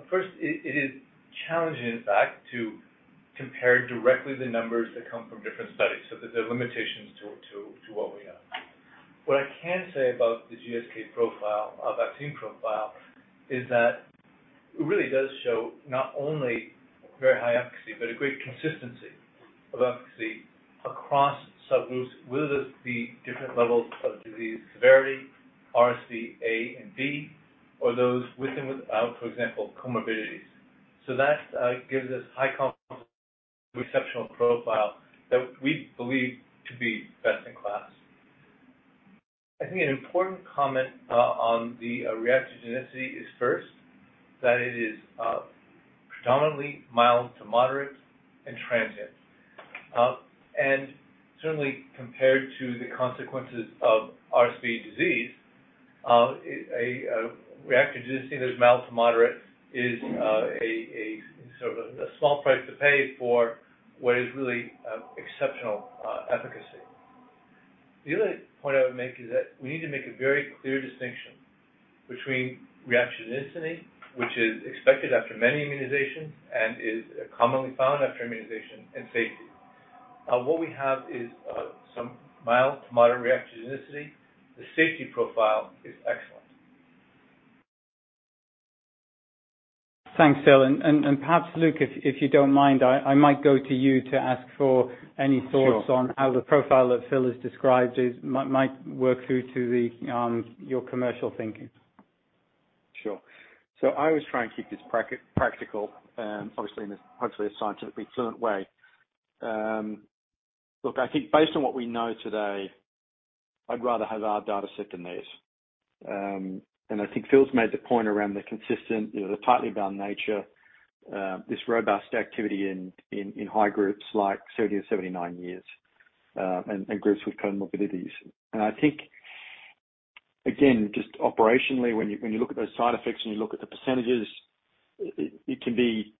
First, it is challenging, in fact, to compare directly the numbers that come from different studies. There's limitations to what we have. What I can say about the GSK profile, vaccine profile is that it really does show not only very high efficacy, but a great consistency of efficacy across subgroups, whether this be different levels of disease severity, RSV A and B, or those with and without, for example, comorbidities. That gives us high confidence exceptional profile that we believe to be best in class. I think an important comment on the reactogenicity is first, that it is predominantly mild to moderate and transient. Certainly compared to the consequences of RSV disease, a reactogenicity that is mild to moderate is a sort of a small price to pay for what is really exceptional efficacy. The other point I would make is that we need to make a very clear distinction between reactogenicity, which is expected after many immunizations and is commonly found after immunization, and safety. What we have is some mild to moderate reactogenicity. The safety profile is excellent. Thanks, Phil. Perhaps Luke, if you don't mind, I might go to you to ask for any thoughts. Sure. On how the profile that Phil has described might work through to your commercial thinking. Sure. I always try and keep this practical, obviously, hopefully a scientifically fluent way. Look, I think based on what we know today, I'd rather have our data set than theirs. I think Phil's made the point around the consistent, the tightly bound nature, this robust activity in age groups like 70-79 years, and groups with comorbidities. I think, again, just operationally, when you look at those side effects and you look at the percentages, it can be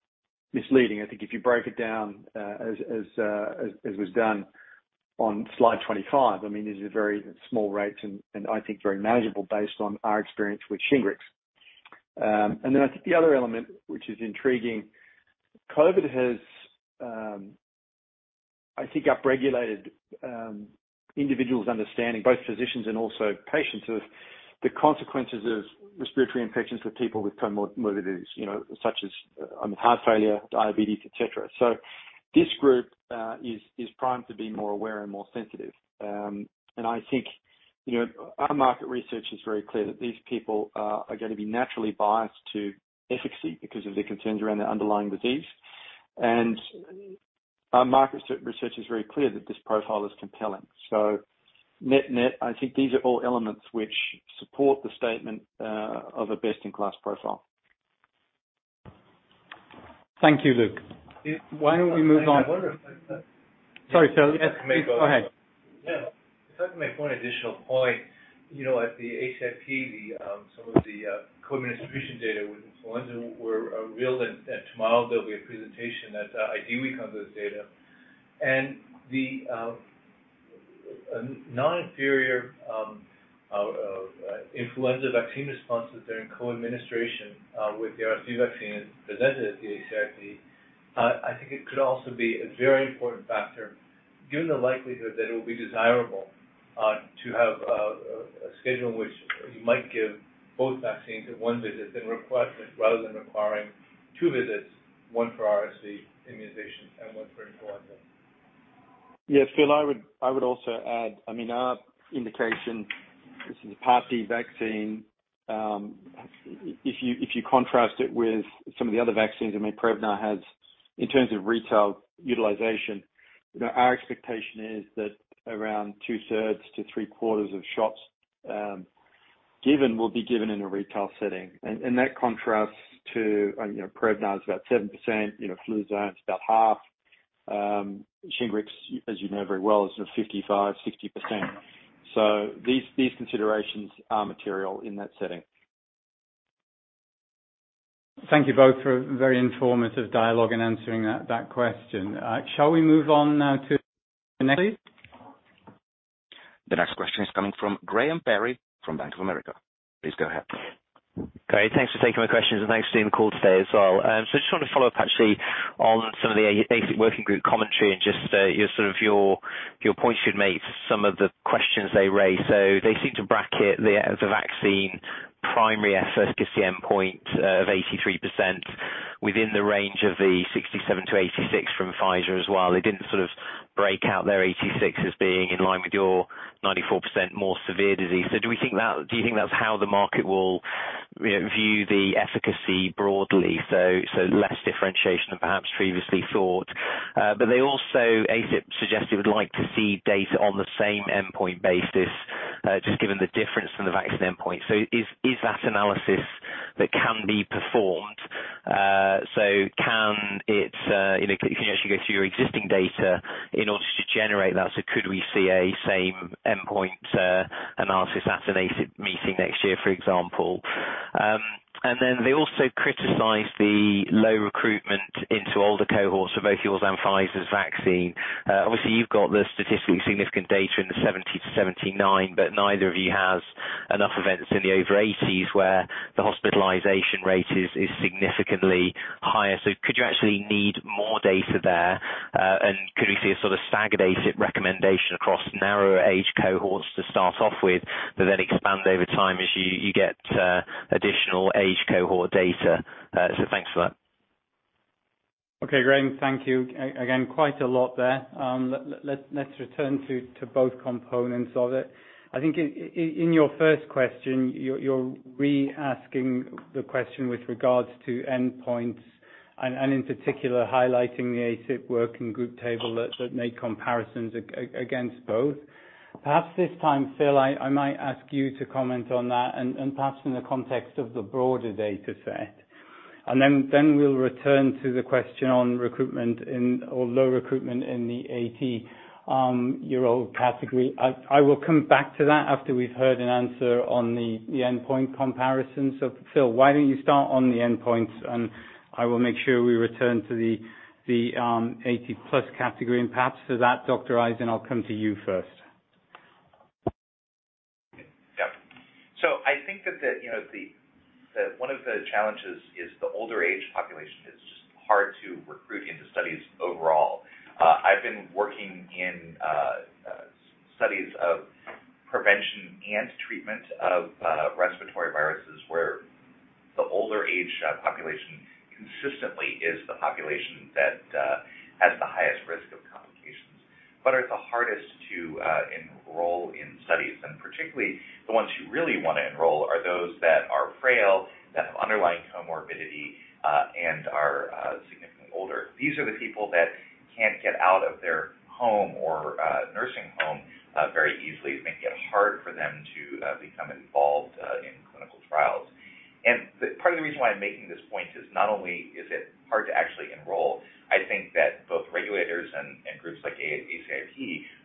misleading. I think if you break it down, as was done on slide 25, these are very small rates and I think very manageable based on our experience with Shingrix. I think the other element which is intriguing. COVID has, I think, upregulated individuals understanding, both physicians and also patients, of the consequences of respiratory infections for people with comorbidities, you know, such as heart failure, diabetes, et cetera. This group is primed to be more aware and more sensitive. I think, you know, our market research is very clear that these people are gonna be naturally biased to efficacy because of their concerns around their underlying disease. Our market research is very clear that this profile is compelling. Net, I think these are all elements which support the statement of a best-in-class profile. Thank you, Luke. Why don't we move on? I wonder if I Sorry, Phil. Please, go ahead. If I can make one additional point. You know, at the ACIP, some of the co-administration data with influenza are real and tomorrow there'll be a presentation that ideally covers this data. The non-inferior influenza vaccine responses there in co-administration with the RSV vaccine is presented at the ACIP. I think it could also be a very important factor given the likelihood that it will be desirable to have a schedule in which you might give both vaccines at one visit rather than requiring two visits, one for RSV immunization and one for influenza. Yes, Phil, I would also add. I mean, our indication, this is a pharmacy vaccine, if you contrast it with some of the other vaccines. I mean Prevnar has in terms of retail utilization, you know, our expectation is that around 2/3 to three-quarters of shots given will be given in a retail setting. That contrasts to, you know, Prevnar is about 7%, you know, Fluzone is about half. Shingrix, as you know very well, is sort of 55%-60%. These considerations are material in that setting. Thank you both for a very informative dialogue in answering that question. Shall we move on now to the next? The next question is coming from Graham Parry from Bank of America. Please go ahead. Great. Thanks for taking my questions, and thanks for doing the call today as well. I just want to follow up actually on some of the ACIP working group commentary and just your sort of points you'd made, some of the questions they raised. They seem to bracket the vaccine primary efficacy endpoint of 83% within the range of the 67%-86% from Pfizer as well. They didn't sort of break out their 86% as being in line with your 94% more severe disease. Do you think that's how the market will, you know, view the efficacy broadly, so less differentiation than perhaps previously thought? They also, ACIP suggested it would like to see data on the same endpoint basis, just given the difference from the vaccine endpoint. Is that analysis that can be performed? Can you actually go through your existing data in order to generate that? Could we see a same endpoint analysis at an ACIP meeting next year, for example? They also criticized the low recruitment into older cohorts for both yours and Pfizer's vaccine. Obviously, you've got the statistically significant data in the 70-79, but neither of you has enough events in the ove-80s, where the hospitalization rate is significantly higher. Do you actually need more data there, and could we see a sort of staggered ACIP recommendation across narrower age cohorts to start off with, but then expand over time as you get additional age cohort data? Thanks for that. Okay. Graham, thank you. Again, quite a lot there. Let's return to both components of it. I think in your first question, you're re-asking the question with regards to endpoints and in particular highlighting the ACIP working group table that made comparisons against both. Perhaps this time, Phil, I might ask you to comment on that, and perhaps in the context of the broader dataset. Then we'll return to the question on recruitment or low recruitment in the 80-year-old category. I will come back to that after we've heard an answer on the endpoint comparison. Phil, why don't you start on the endpoints, and I will make sure we return to the 80+ category. Perhaps for that, Dr. Ison, I'll come to you first. I think that one of the challenges is the older age population is just hard to recruit into studies overall. I've been working in studies of prevention and treatment of respiratory viruses, where the older age population consistently is the population that has the highest risk of complications but are the hardest to enroll in studies. Particularly the ones you really wanna enroll are those that are frail, that have underlying comorbidity, and are significantly older. These are the people that can't get out of their home or nursing home very easily. It may be hard for them to become involved in clinical trials. Part of the reason why I'm making this point is not only is it hard to actually enroll, I think that both regulators and groups like ACIP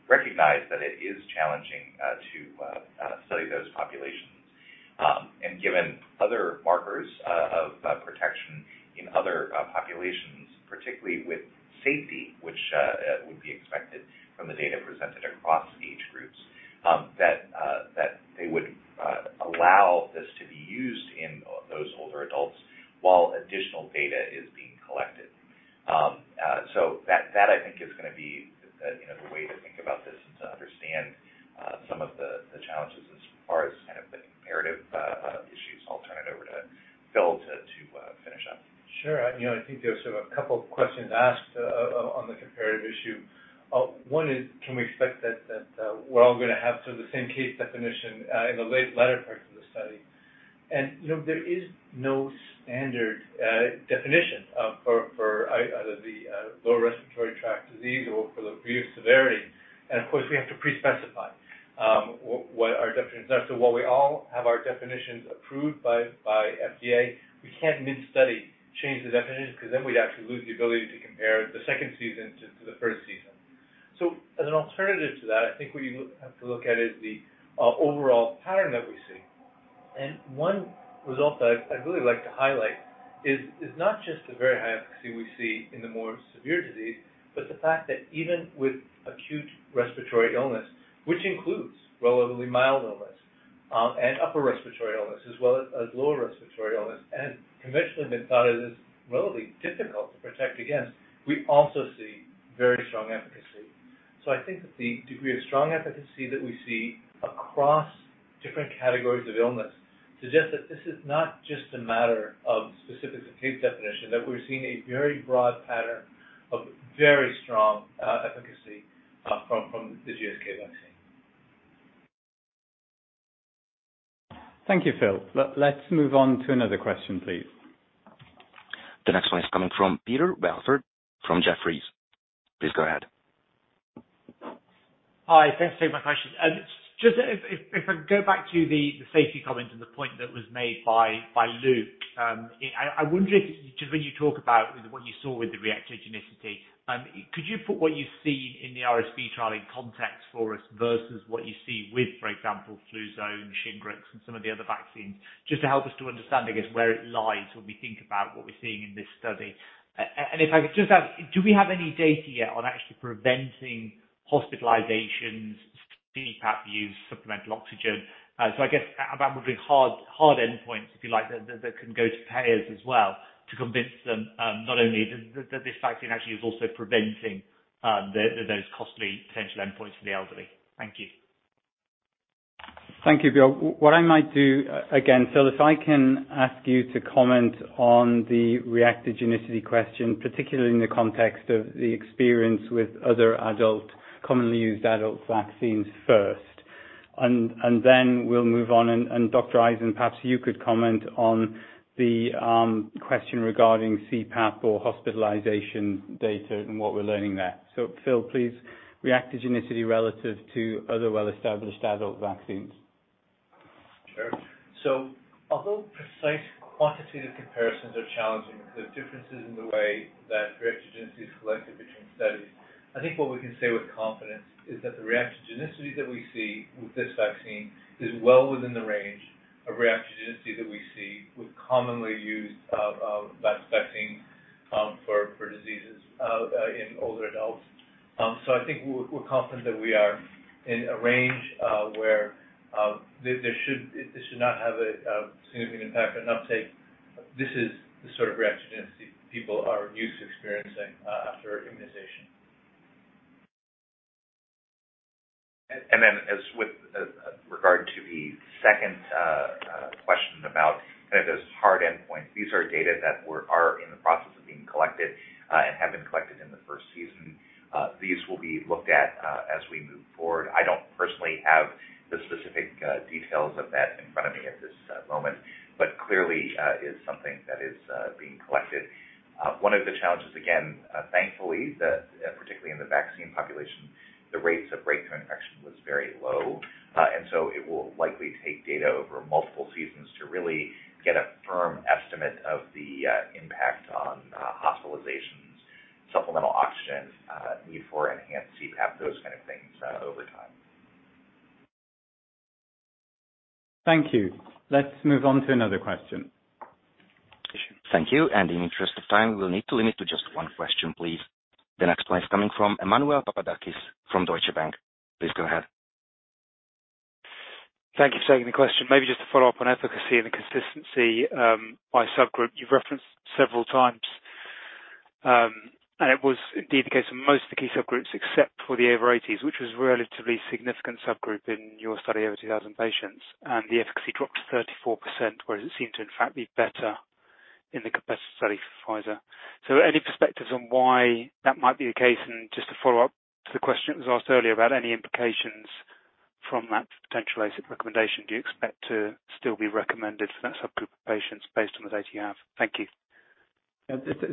recognize that it is challenging to study those populations. Given other markers of protection in other populations, particularly with safety, which would be expected from the data presented across age groups, that they would allow this to be used in those older adults while additional data is being collected. That I think is gonna be the, you know, the way to think about this is to understand some of the challenges as far as kind of the comparative issues. I'll turn it over to Phil to finish up. Sure. You know, I think there's a couple of questions asked on the comparative issue. One is, can we expect that we're all gonna have sort of the same case definition in the latter parts of the study? You know, there is no standard definition for either the lower respiratory tract disease or for the severe severity. Of course, we have to pre-specify what our definition is. While we all have our definitions approved by FDA, we can't mid-study change the definition because then we'd actually lose the ability to compare the second season to the first season. As an alternative to that, I think what you have to look at is the overall pattern that we see. One result that I'd really like to highlight is not just the very high efficacy we see in the more severe disease, but the fact that even with acute respiratory illness, which includes relatively mild illness, and upper respiratory illness, as well as lower respiratory illness, and conventionally been thought of as relatively difficult to protect against, we also see very strong efficacy. I think that the degree of strong efficacy that we see across different categories of illness suggests that this is not just a matter of specifics of case definition, that we're seeing a very broad pattern of very strong efficacy from the GSK vaccine. Thank you, Phil. Let's move on to another question, please. The next one is coming from Peter Welford from Jefferies. Please go ahead. Hi, thanks for taking my question. Just if I go back to the safety comment and the point that was made by Luke, I wonder if just when you talk about what you saw with the reactogenicity, could you put what you see in the RSV trial in context for us versus what you see with, for example, Fluzone, Shingrix, and some of the other vaccines, just to help us to understand, I guess, where it lies when we think about what we're seeing in this study. If I could just ask, do we have any data yet on actually preventing hospitalizations, CPAP use, supplemental oxygen? I guess what would be hard endpoints, if you like, that can go to payers as well to convince them, not only that this vaccine actually is also preventing those costly potential endpoints for the elderly. Thank you. Thank you, Peter Welford. What I might do, again, Phil Dormitzer, if I can ask you to comment on the reactogenicity question, particularly in the context of the experience with other adult, commonly used adult vaccines first, and then we'll move on, and Dr. Michael G. Ison, perhaps you could comment on the question regarding CPAP or hospitalization data and what we're learning there. Phil Dormitzer, please, reactogenicity relative to other well-established adult vaccines. Sure. Although precise quantitative comparisons are challenging because there are differences in the way that reactogenicity is collected between studies, I think what we can say with confidence is that the reactogenicity that we see with this vaccine is well within the range of reactogenicity that we see with commonly used vaccines for diseases in older adults. I think we're confident that we are in a range where this should not have a significant impact on uptake. This is the sort of reactogenicity people are used to experiencing after immunization. As with regard to the second question about kind of those hard endpoints, these are data that are in the process of being collected and have been collected in the first season. These will be looked at as we move forward. I don't personally have the specific details of that in front of me at this moment, but clearly, it's something that is being collected. One of the challenges, again, thankfully, particularly in the vaccine population, the rates of breakthrough infection was very low, and so it will likely take data over multiple seasons to really get a firm estimate of the impact on hospitalizations, supplemental oxygen, need for enhanced CPAP, those kind of things, over time. Thank you. Let's move on to another question. Thank you. In interest of time, we'll need to limit to just one question, please. The next one is coming from Emmanuel Papadakis from Deutsche Bank. Please go ahead. Thank you for taking the question. Maybe just to follow up on efficacy and the consistency by subgroup you've referenced several times. It was indeed the case in most of the key subgroups except for the over 80s, which was relatively significant subgroup in your study over 2,000 patients. The efficacy dropped to 34%, whereas it seemed to in fact be better in the competitor study for Pfizer. Any perspectives on why that might be the case? Just to follow up to the question that was asked earlier about any implications from that potential ACIP recommendation, do you expect to still be recommended for that subgroup of patients based on the data you have? Thank you.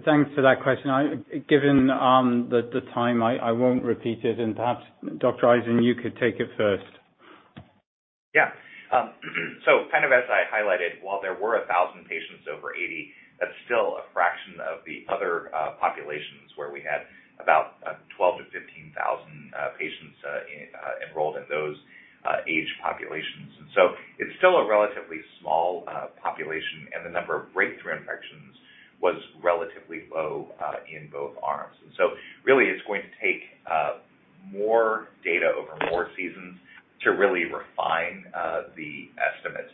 Thanks for that question. Given the time, I won't repeat it. Perhaps, Dr. Ison, you could take it first. Yeah. So kind of as I highlighted, while there were 1,000 patients over 80, that's still a fraction of the other populations where we had about 12,000-15,000 patients enrolled in those age populations. It's still a relatively small population, and the number of breakthrough infections was relatively low in both arms. Really, it's going to take more data over more seasons to really refine the estimates.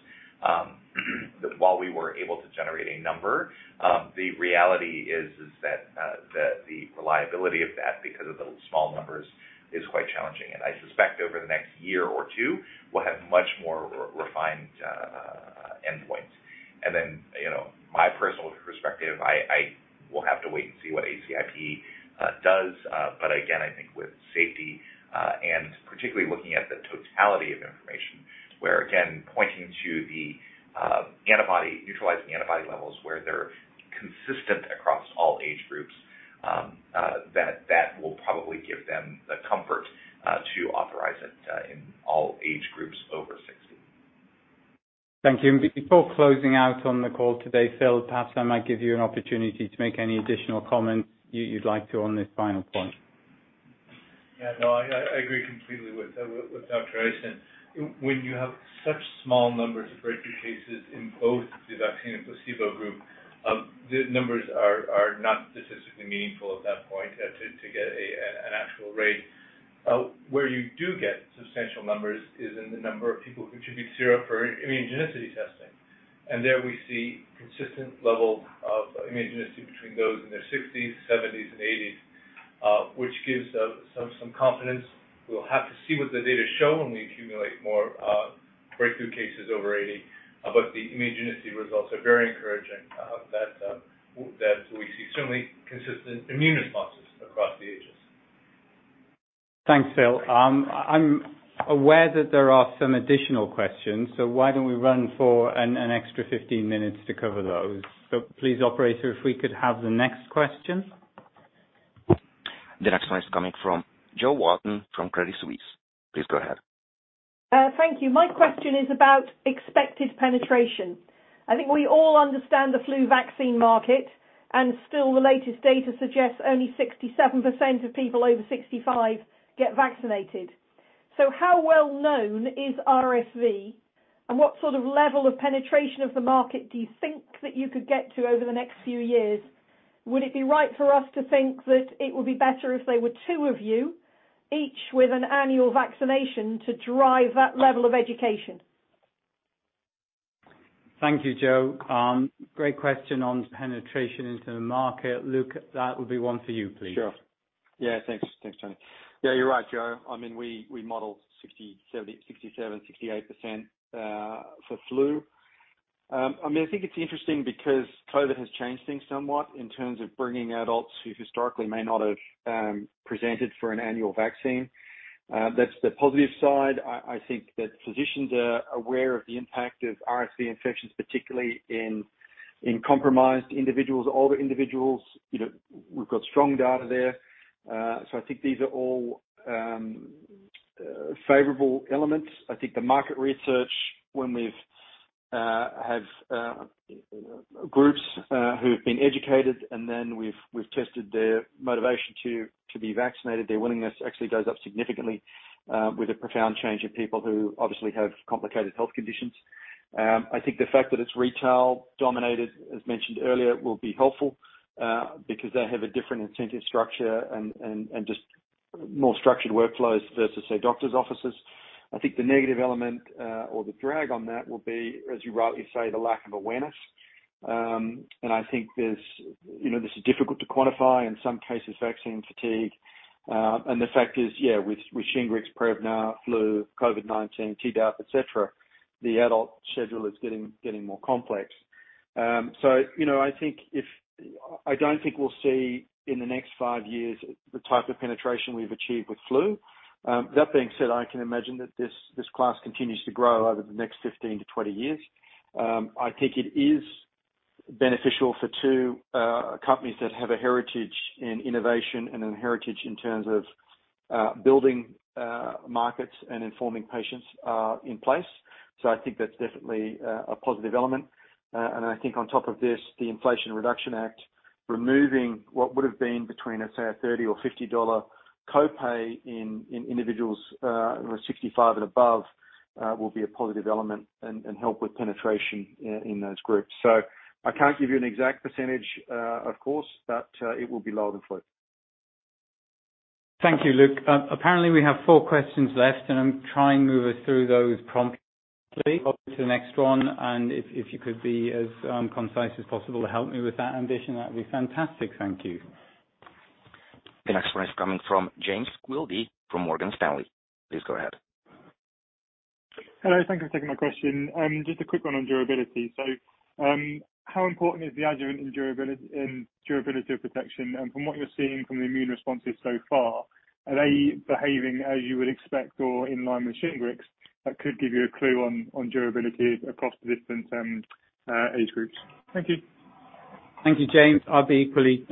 While we were able to generate a number, the reality is that the reliability of that, because of the small numbers, is quite challenging. I suspect over the next year or two, we'll have much more refined endpoints. Then, you know, my personal perspective, I will have to wait and see what ACIP does. Again, I think with safety and particularly looking at the totality of information, where again pointing to the antibody neutralizing antibody levels where they're consistent across all age groups, that will probably give them the comfort to authorize it in all age groups over 60. Thank you. Before closing out on the call today, Phil, perhaps I might give you an opportunity to make any additional comments you'd like to on this final point. Yeah, no, I agree completely with Dr. Michael G. Ison. When you have such small numbers of breakthrough cases in both the vaccine and placebo group, the numbers are not statistically meaningful at that point to get an actual rate. Where you do get substantial numbers is in the number of people who contribute sera for immunogenicity testing. There we see consistent level of immunogenicity between those in their 60s, 70s, and 80s, which gives some confidence. We'll have to see what the data show when we accumulate more breakthrough cases over eighty. The immunogenicity results are very encouraging that we see certainly consistent immune responses across the ages. Thanks, Phil. I'm aware that there are some additional questions, so why don't we run for an extra 15 minutes to cover those. Please, operator, if we could have the next question. The next one is coming from Jo Walton from Credit Suisse. Please go ahead. Thank you. My question is about expected penetration. I think we all understand the flu vaccine market, and still the latest data suggests only 67% of people over 65 get vaccinated. How well-known is RSV, and what sort of level of penetration of the market do you think that you could get to over the next few years? Would it be right for us to think that it would be better if there were two of you, each with an annual vaccination to drive that level of education? Thank you, Jo. Great question on penetration into the market. Luke, that would be one for you, please. Sure. Yeah, thanks, Tony. Yeah, you're right, Jo. I mean, we modeled 60%-70%, 67%-68% for flu. I mean, I think it's interesting because COVID has changed things somewhat in terms of bringing adults who historically may not have presented for an annual vaccine. That's the positive side. I think that physicians are aware of the impact of RSV infections, particularly in compromised individuals, older individuals. You know, we've got strong data there. So I think these are all favorable elements. I think the market research, when we've had groups who have been educated and then we've tested their motivation to be vaccinated, their willingness actually goes up significantly with a profound change in people who obviously have complicated health conditions. I think the fact that it's retail-dominated, as mentioned earlier, will be helpful, because they have a different incentive structure and just more structured workflows versus, say, doctor's offices. I think the negative element, or the drag on that will be, as you rightly say, the lack of awareness. You know, this is difficult to quantify. In some cases, vaccine fatigue. The fact is, yeah, with Shingrix, Prevnar, flu, COVID-19, Tdap, etc., the adult schedule is getting more complex. You know, I don't think we'll see, in the next five years, the type of penetration we've achieved with flu. That being said, I can imagine that this class continues to grow over the next 15-20 years. I think it is beneficial for two companies that have a heritage in innovation and a heritage in terms of building markets and informing patients in place. I think that's definitely a positive element. I think on top of this, the Inflation Reduction Act, removing what would have been between, let's say, a $30 or $50 copay in individuals 65 and above, will be a positive element and help with penetration in those groups. I can't give you an exact percentage, of course, but it will be lower than flu. Thank you, Luke. Apparently, we have four questions left, and I'm trying to move us through those promptly. Go to the next one, and if you could be as concise as possible to help me with that ambition, that'd be fantastic. Thank you. The next one is coming from James Quigley from Morgan Stanley. Please go ahead. Hello. Thank you for taking my question. Just a quick one on durability. How important is the adjuvant in durability of protection? And from what you're seeing from the immune responses so far, are they behaving as you would expect or in line with Shingrix that could give you a clue on durability across the different age groups? Thank you. Thank you, James. I'll be equally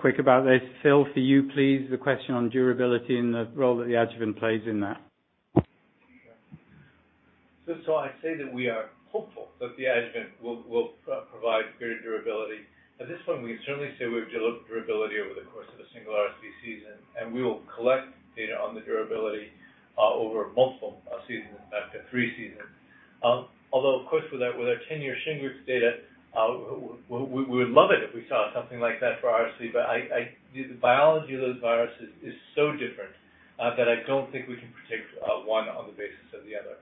quick about this. Phil, for you, please, the question on durability and the role that the adjuvant plays in that. Sure. I say that we are hopeful that the adjuvant will provide good durability. At this point, we can certainly say we've developed durability over the course of a single RSV season, and we will collect data on the durability over multiple seasons. In fact, three seasons. Although, of course, with our 10-year Shingrix data, we would love it if we saw something like that for RSV, but I. The biology of those viruses is so different that I don't think we can predict one on the basis of the other.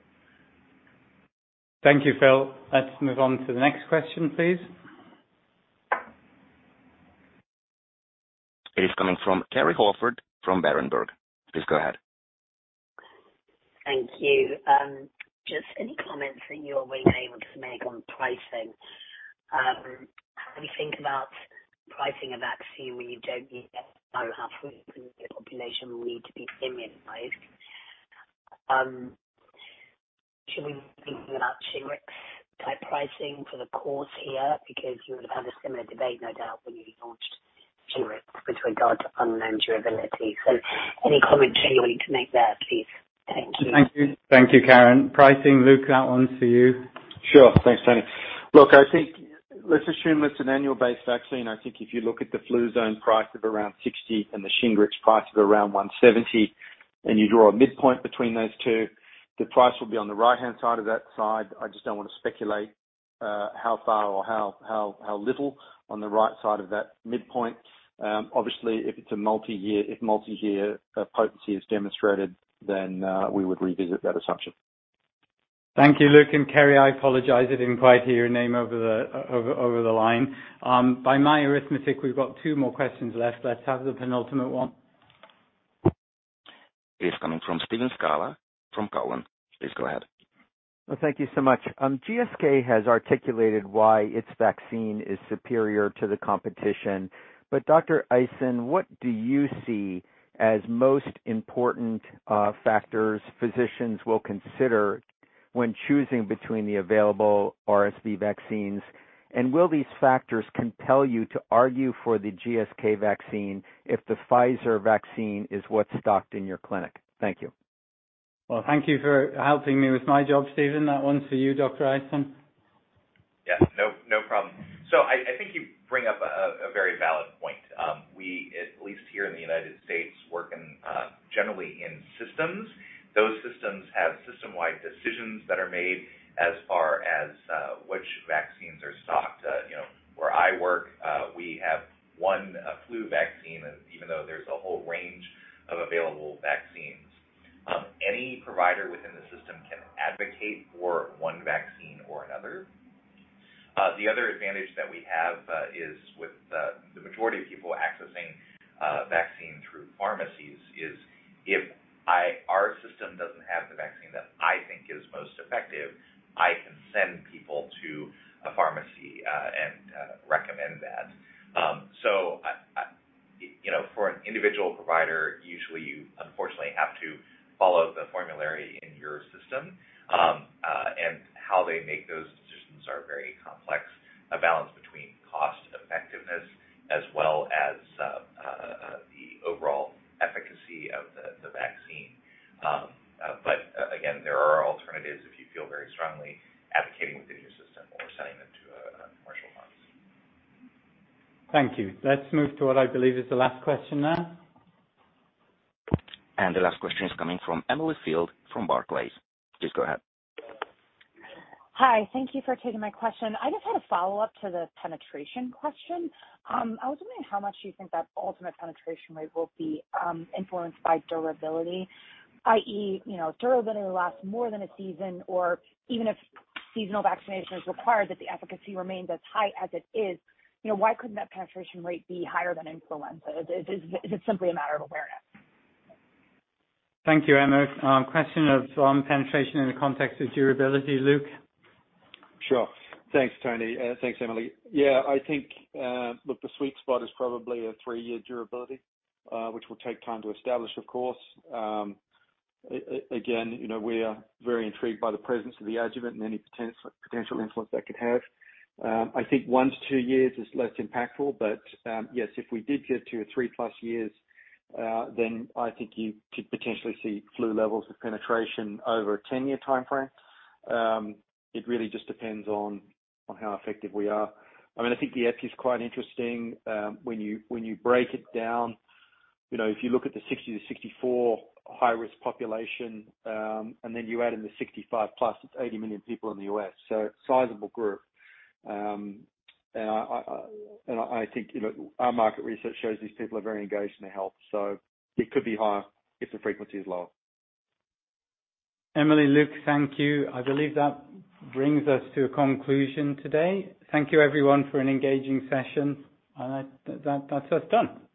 Thank you, Phil. Let's move on to the next question, please. It is coming from Kerry Holford from Berenberg. Please go ahead. Thank you. Just any comments that you or Wayne are able to make on pricing. How do we think about pricing a vaccine when you don't yet know how frequently the population will need to be immunized? Should we be thinking about Shingrix-type pricing for the course here? Because you would have had a similar debate, no doubt, when you launched Shingrix with regard to unknown durability. Any comments you're willing to make there, please. Thank you. Thank you. Thank you, Kerry. Pricing, Luke, that one's for you. Sure. Thanks, Tony. Look, I think let's assume it's an annual-based vaccine. I think if you look at the Fluzone price of around 60 and the Shingrix price of around 170, and you draw a midpoint between those two, the price will be on the right-hand side of that side. I just don't want to speculate how far or how little on the right side of that midpoint. Obviously, if it's multi-year potency is demonstrated, then we would revisit that assumption. Thank you, Luke. Kerry, I apologize. I didn't quite hear your name over the line. By my arithmetic, we've got two more questions left. Let's have the penultimate one. It is coming from Steve Scala from Cowen. Please go ahead. Well, thank you so much. GSK has articulated why its vaccine is superior to the competition. Dr. Ison, what do you see as most important factors physicians will consider when choosing between the available RSV vaccines? Will these factors compel you to argue for the GSK vaccine if the Pfizer vaccine is what's stocked in your clinic? Thank you. Well, thank you for helping me with my job, Steve. That one's for you, Dr. Ison. No problem. I think you bring up a very valid point. We, at least here in the United States, work in generally in systems. Those systems have system-wide decisions that are made as far as which vaccines are stocked. You know, where I work, we have one flu vaccine, even though there's a whole range of available vaccines. Any provider within the system can advocate for one vaccine or another. The other advantage that we have is with the majority of people accessing vaccine through pharmacies, our system doesn't have the vaccine that I think is most effective, I can send people to a pharmacy and recommend that. You know, for an individual provider, usually, you unfortunately have to follow the formulary in your system. How they make those decisions are very complex, a balance between cost effectiveness as well as the overall efficacy of the vaccine. There are alternatives if you feel very strongly advocating within your system or sending them to a commercial pharmacy. Thank you. Let's move to what I believe is the last question now. The last question is coming from Emily Field from Barclays. Please go ahead. Hi. Thank you for taking my question. I just had a follow-up to the penetration question. I was wondering how much do you think that ultimate penetration rate will be influenced by durability, i.e., you know, durability lasts more than a season or even if seasonal vaccination is required, that the efficacy remains as high as it is. You know, why couldn't that penetration rate be higher than influenza? Is it simply a matter of awareness? Thank you, Emily. Question of penetration in the context of durability. Luke? Sure. Thanks, Tony. Thanks, Emily. Yeah, I think, look, the sweet spot is probably a three-year durability, which will take time to establish, of course. Again, you know, we are very intrigued by the presence of the adjuvant and any potential influence that could have. I think one to two years is less impactful, but, yes, if we did get to 3+ years, then I think you could potentially see flu levels of penetration over a 10-year timeframe. It really just depends on how effective we are. I mean, I think the epi's quite interesting, when you break it down. You know, if you look at the 60-64 high risk population, and then you add in the 65+, it's 80 million people in the U.S., so sizable group. I think, you know, our market research shows these people are very engaged in their health, so it could be higher if the frequency is lower. Emily, Luke, thank you. I believe that brings us to a conclusion today. Thank you everyone for an engaging session. I think that's us done.